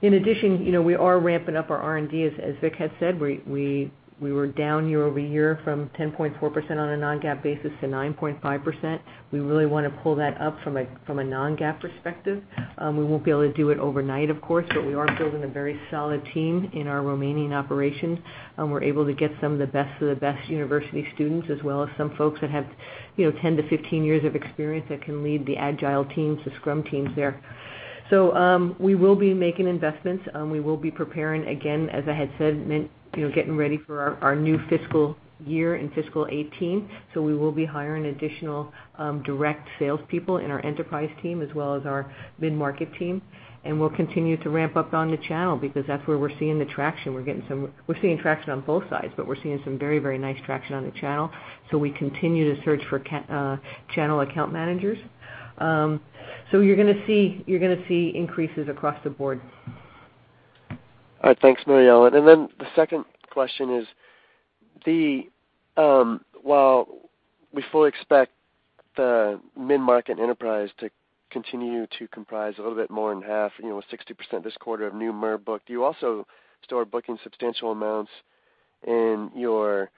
In addition, we are ramping up our R&D, as Vik had said. We were down year-over-year from 10.4% on a non-GAAP basis to 9.5%. We really want to pull that up from a non-GAAP perspective. We won't be able to do it overnight, of course, but we are building a very solid team in our Romanian operations. We're able to get some of the best of the best university students, as well as some folks that have 10 to 15 years of experience that can lead the Agile teams, the Scrum teams there. We will be making investments. We will be preparing, again, as I had said, getting ready for our new fiscal year in fiscal 2018. We will be hiring additional direct salespeople in our enterprise team as well as our mid-market team. We'll continue to ramp up on the channel because that's where we're seeing the traction. We're seeing traction on both sides, we're seeing some very, very nice traction on the channel. We continue to search for channel account managers. You're going to see increases across the board. All right. Thanks, Mary Ellen. The second question is, while we fully expect the mid-market enterprise to continue to comprise a little bit more than half, with 60% this quarter of new MRR book, you also still booking substantial amounts in your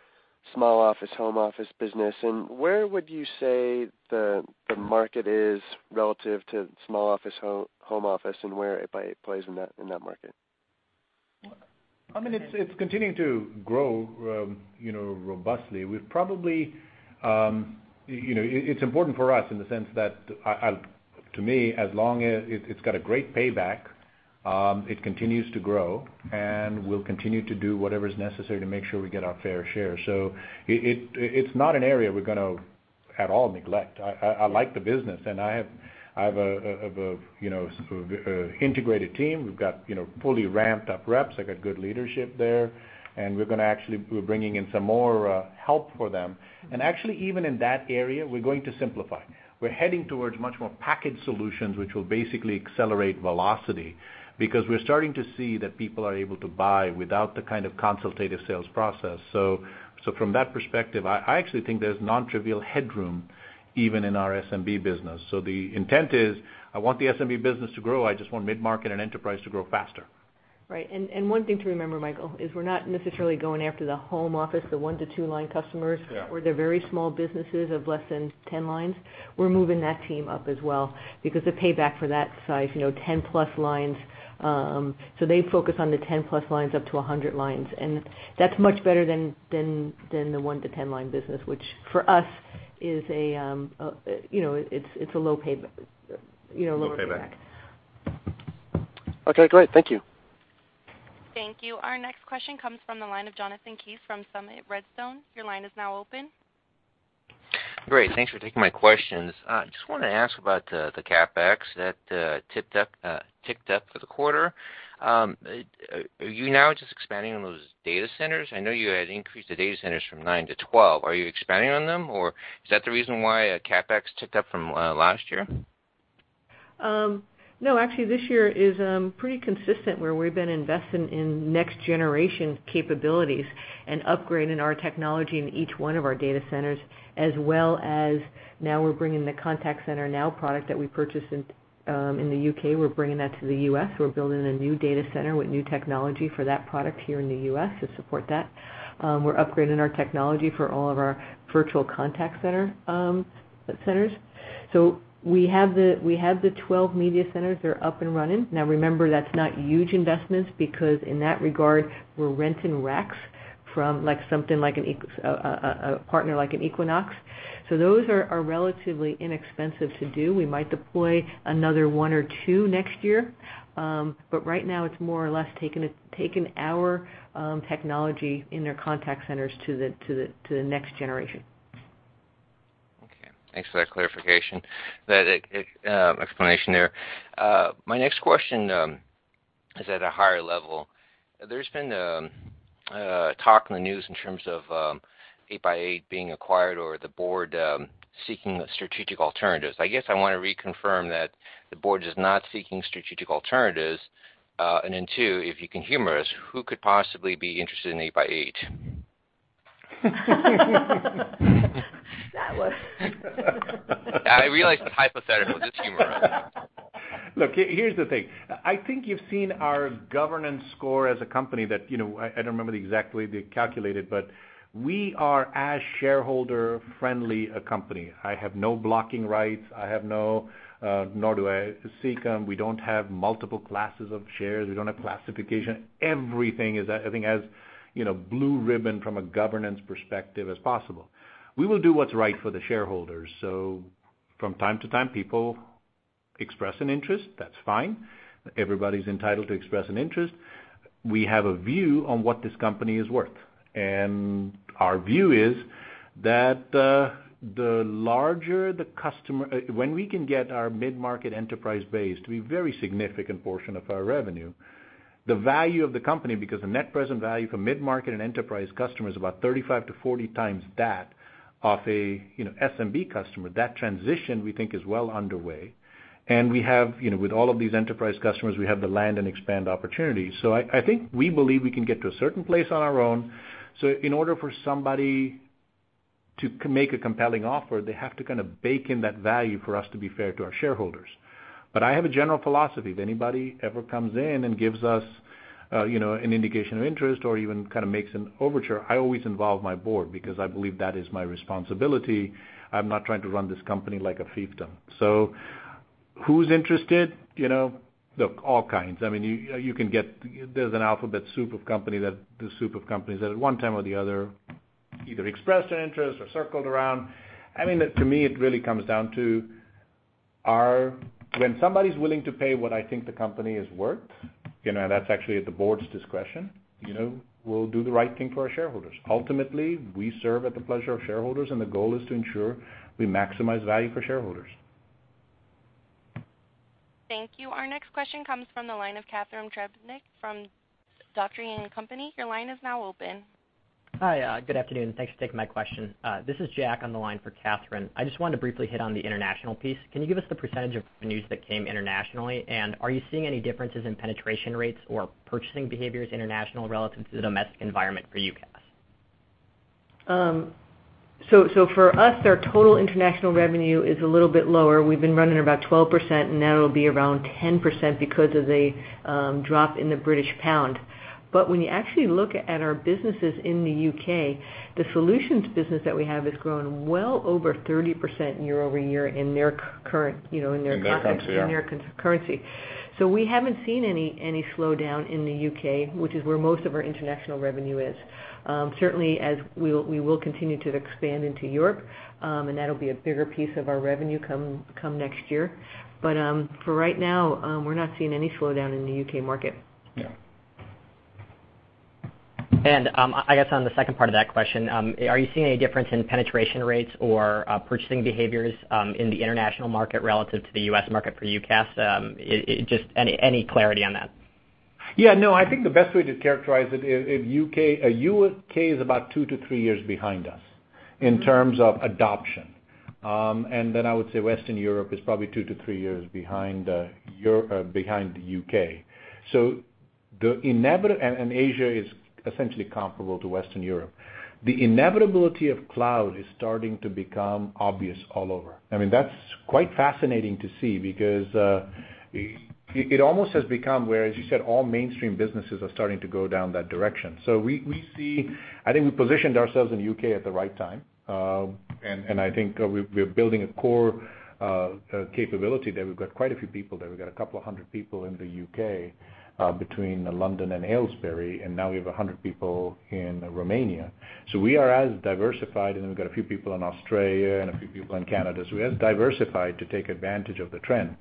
small office, home office business. Where would you say the market is relative to small office, home office and where it plays in that market? It's continuing to grow robustly. It's important for us in the sense that, to me, as long as it's got a great payback, it continues to grow, and we'll continue to do whatever's necessary to make sure we get our fair share. It's not an area we're going to at all neglect. I like the business, and I have an integrated team. We've got fully ramped up reps. I've got good leadership there, and we're bringing in some more help for them. Actually, even in that area, we're going to simplify. We're heading towards much more packaged solutions, which will basically accelerate velocity, because we're starting to see that people are able to buy without the kind of consultative sales process. From that perspective, I actually think there's nontrivial headroom even in our SMB business. The intent is, I want the SMB business to grow. I just want mid-market and enterprise to grow faster. Right. One thing to remember, Michael, is we're not necessarily going after the home office, the 1-to-2 line customers. Yeah or the very small businesses of less than 10 lines. We're moving that team up as well, because the payback for that size, 10-plus lines. They focus on the 10-plus lines up to 100 lines, and that's much better than the 1-to-10 line business, which for us, it's a low payback. Low payback. Okay, great. Thank you. Thank you. Our next question comes from the line of Jonathan Kees from Summit Redstone Partners. Your line is now open. Great. Thanks for taking my questions. I just want to ask about the CapEx that ticked up for the quarter. Are you now just expanding on those data centers? I know you had increased the data centers from 9 to 12. Are you expanding on them, or is that the reason why CapEx ticked up from last year? No, actually this year is pretty consistent where we've been investing in next-generation capabilities and upgrading our technology in each one of our data centers, as well as now we're bringing the ContactNow product that we purchased in the U.K. We're bringing that to the U.S. We're building a new data center with new technology for that product here in the U.S. to support that. We're upgrading our technology for all of our Virtual Contact Centers. We have the 12 media centers that are up and running. Now, remember, that's not huge investments because in that regard, we're renting racks from a partner like an Equinix. Those are relatively inexpensive to do. We might deploy another one or two next year. Right now, it's more or less taken our technology in their contact centers to the next generation. Okay. Thanks for that clarification, that explanation there. My next question is at a higher level. There's been talk in the news in terms of 8x8 being acquired or the board seeking strategic alternatives. I guess I want to reconfirm that the board is not seeking strategic alternatives. Then two, if you can humor us, who could possibly be interested in 8x8? That was- I realize it's hypothetical, just humor us. Look, here's the thing. I think you've seen our governance score as a company that, I don't remember exactly they calculate it, but we are as shareholder-friendly a company. I have no blocking rights. Nor do I seek them. We don't have multiple classes of shares. We don't have classification. Everything is, I think, as blue ribbon from a governance perspective as possible. We will do what's right for the shareholders. From time to time, people express an interest. That's fine. Everybody's entitled to express an interest. We have a view on what this company is worth. Our view is that when we can get our mid-market enterprise base to be very significant portion of our revenue, the value of the company, because the net present value for mid-market and enterprise customers is about 35 to 40 times that of a SMB customer. That transition, we think, is well underway. With all of these enterprise customers, we have the land and expand opportunities. I think we believe we can get to a certain place on our own. In order for somebody to make a compelling offer, they have to bake in that value for us to be fair to our shareholders. I have a general philosophy. If anybody ever comes in and gives us an indication of interest or even makes an overture, I always involve my board because I believe that is my responsibility. I'm not trying to run this company like a fiefdom. Who's interested? Look, all kinds. There's an alphabet soup of companies that at one time or the other either expressed an interest or circled around. To me, it really comes down to when somebody's willing to pay what I think the company is worth, and that's actually at the board's discretion, we'll do the right thing for our shareholders. Ultimately, we serve at the pleasure of shareholders, and the goal is to ensure we maximize value for shareholders. Thank you. Our next question comes from the line of Catharine Trebnick from Dougherty & Company. Your line is now open. Hi, good afternoon. Thanks for taking my question. This is Jack on the line for Catharine. I just wanted to briefly hit on the international piece. Can you give us the percentage of revenues that came internationally? Are you seeing any differences in penetration rates or purchasing behaviors international relative to the domestic environment for UCaaS? For us, our total international revenue is a little bit lower. We've been running about 12%, that'll be around 10% because of the drop in the British pound. When you actually look at our businesses in the U.K., the solutions business that we have has grown well over 30% year-over-year in their currency. In their currency, yeah. In their currency. We haven't seen any slowdown in the U.K., which is where most of our international revenue is. Certainly, as we will continue to expand into Europe, that'll be a bigger piece of our revenue come next year. For right now, we're not seeing any slowdown in the U.K. market. Yeah. I guess on the second part of that question, are you seeing any difference in penetration rates or purchasing behaviors in the international market relative to the U.S. market for UCaaS? Just any clarity on that. I think the best way to characterize it, U.K. is about 2-3 years behind us in terms of adoption. I would say Western Europe is probably 2-3 years behind the U.K. Asia is essentially comparable to Western Europe. The inevitability of cloud is starting to become obvious all over. That's quite fascinating to see because it almost has become where, as you said, all mainstream businesses are starting to go down that direction. We see, I think we positioned ourselves in the U.K. at the right time, and I think we're building a core capability there. We've got quite a few people there. We've got 200 people in the U.K. between London and Aylesbury, and now we have 100 people in Romania. We are as diversified, and then we've got a few people in Australia and a few people in Canada. We are as diversified to take advantage of the trend.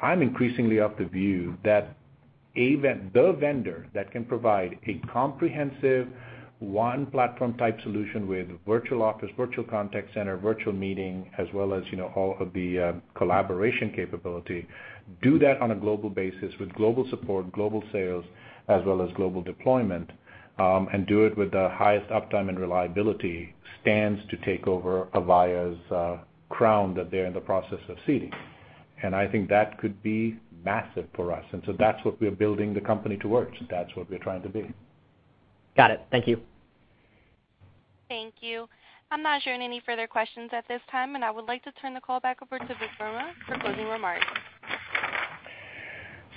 I'm increasingly of the view that the vendor that can provide a comprehensive one platform-type solution with Virtual Office, Virtual Contact Center, Virtual Meeting, as well as all of the collaboration capability, do that on a global basis with global support, global sales, as well as global deployment, and do it with the highest uptime and reliability, stands to take over Avaya's crown that they're in the process of ceding. I think that could be massive for us. That's what we're building the company towards. That's what we're trying to be. Got it. Thank you. Thank you. I'm not showing any further questions at this time, I would like to turn the call back over to Vik Verma for closing remarks.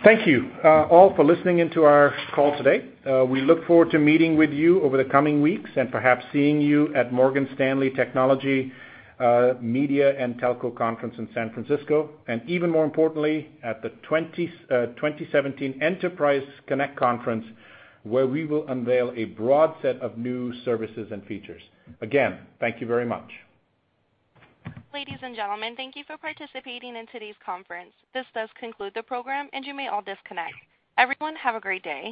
Thank you all for listening in to our call today. We look forward to meeting with you over the coming weeks and perhaps seeing you at Morgan Stanley Technology, Media and Telecom Conference in San Francisco, and even more importantly, at the 2017 Enterprise Connect Conference, where we will unveil a broad set of new services and features. Again, thank you very much. Ladies and gentlemen, thank you for participating in today's conference. This does conclude the program, and you may all disconnect. Everyone, have a great day.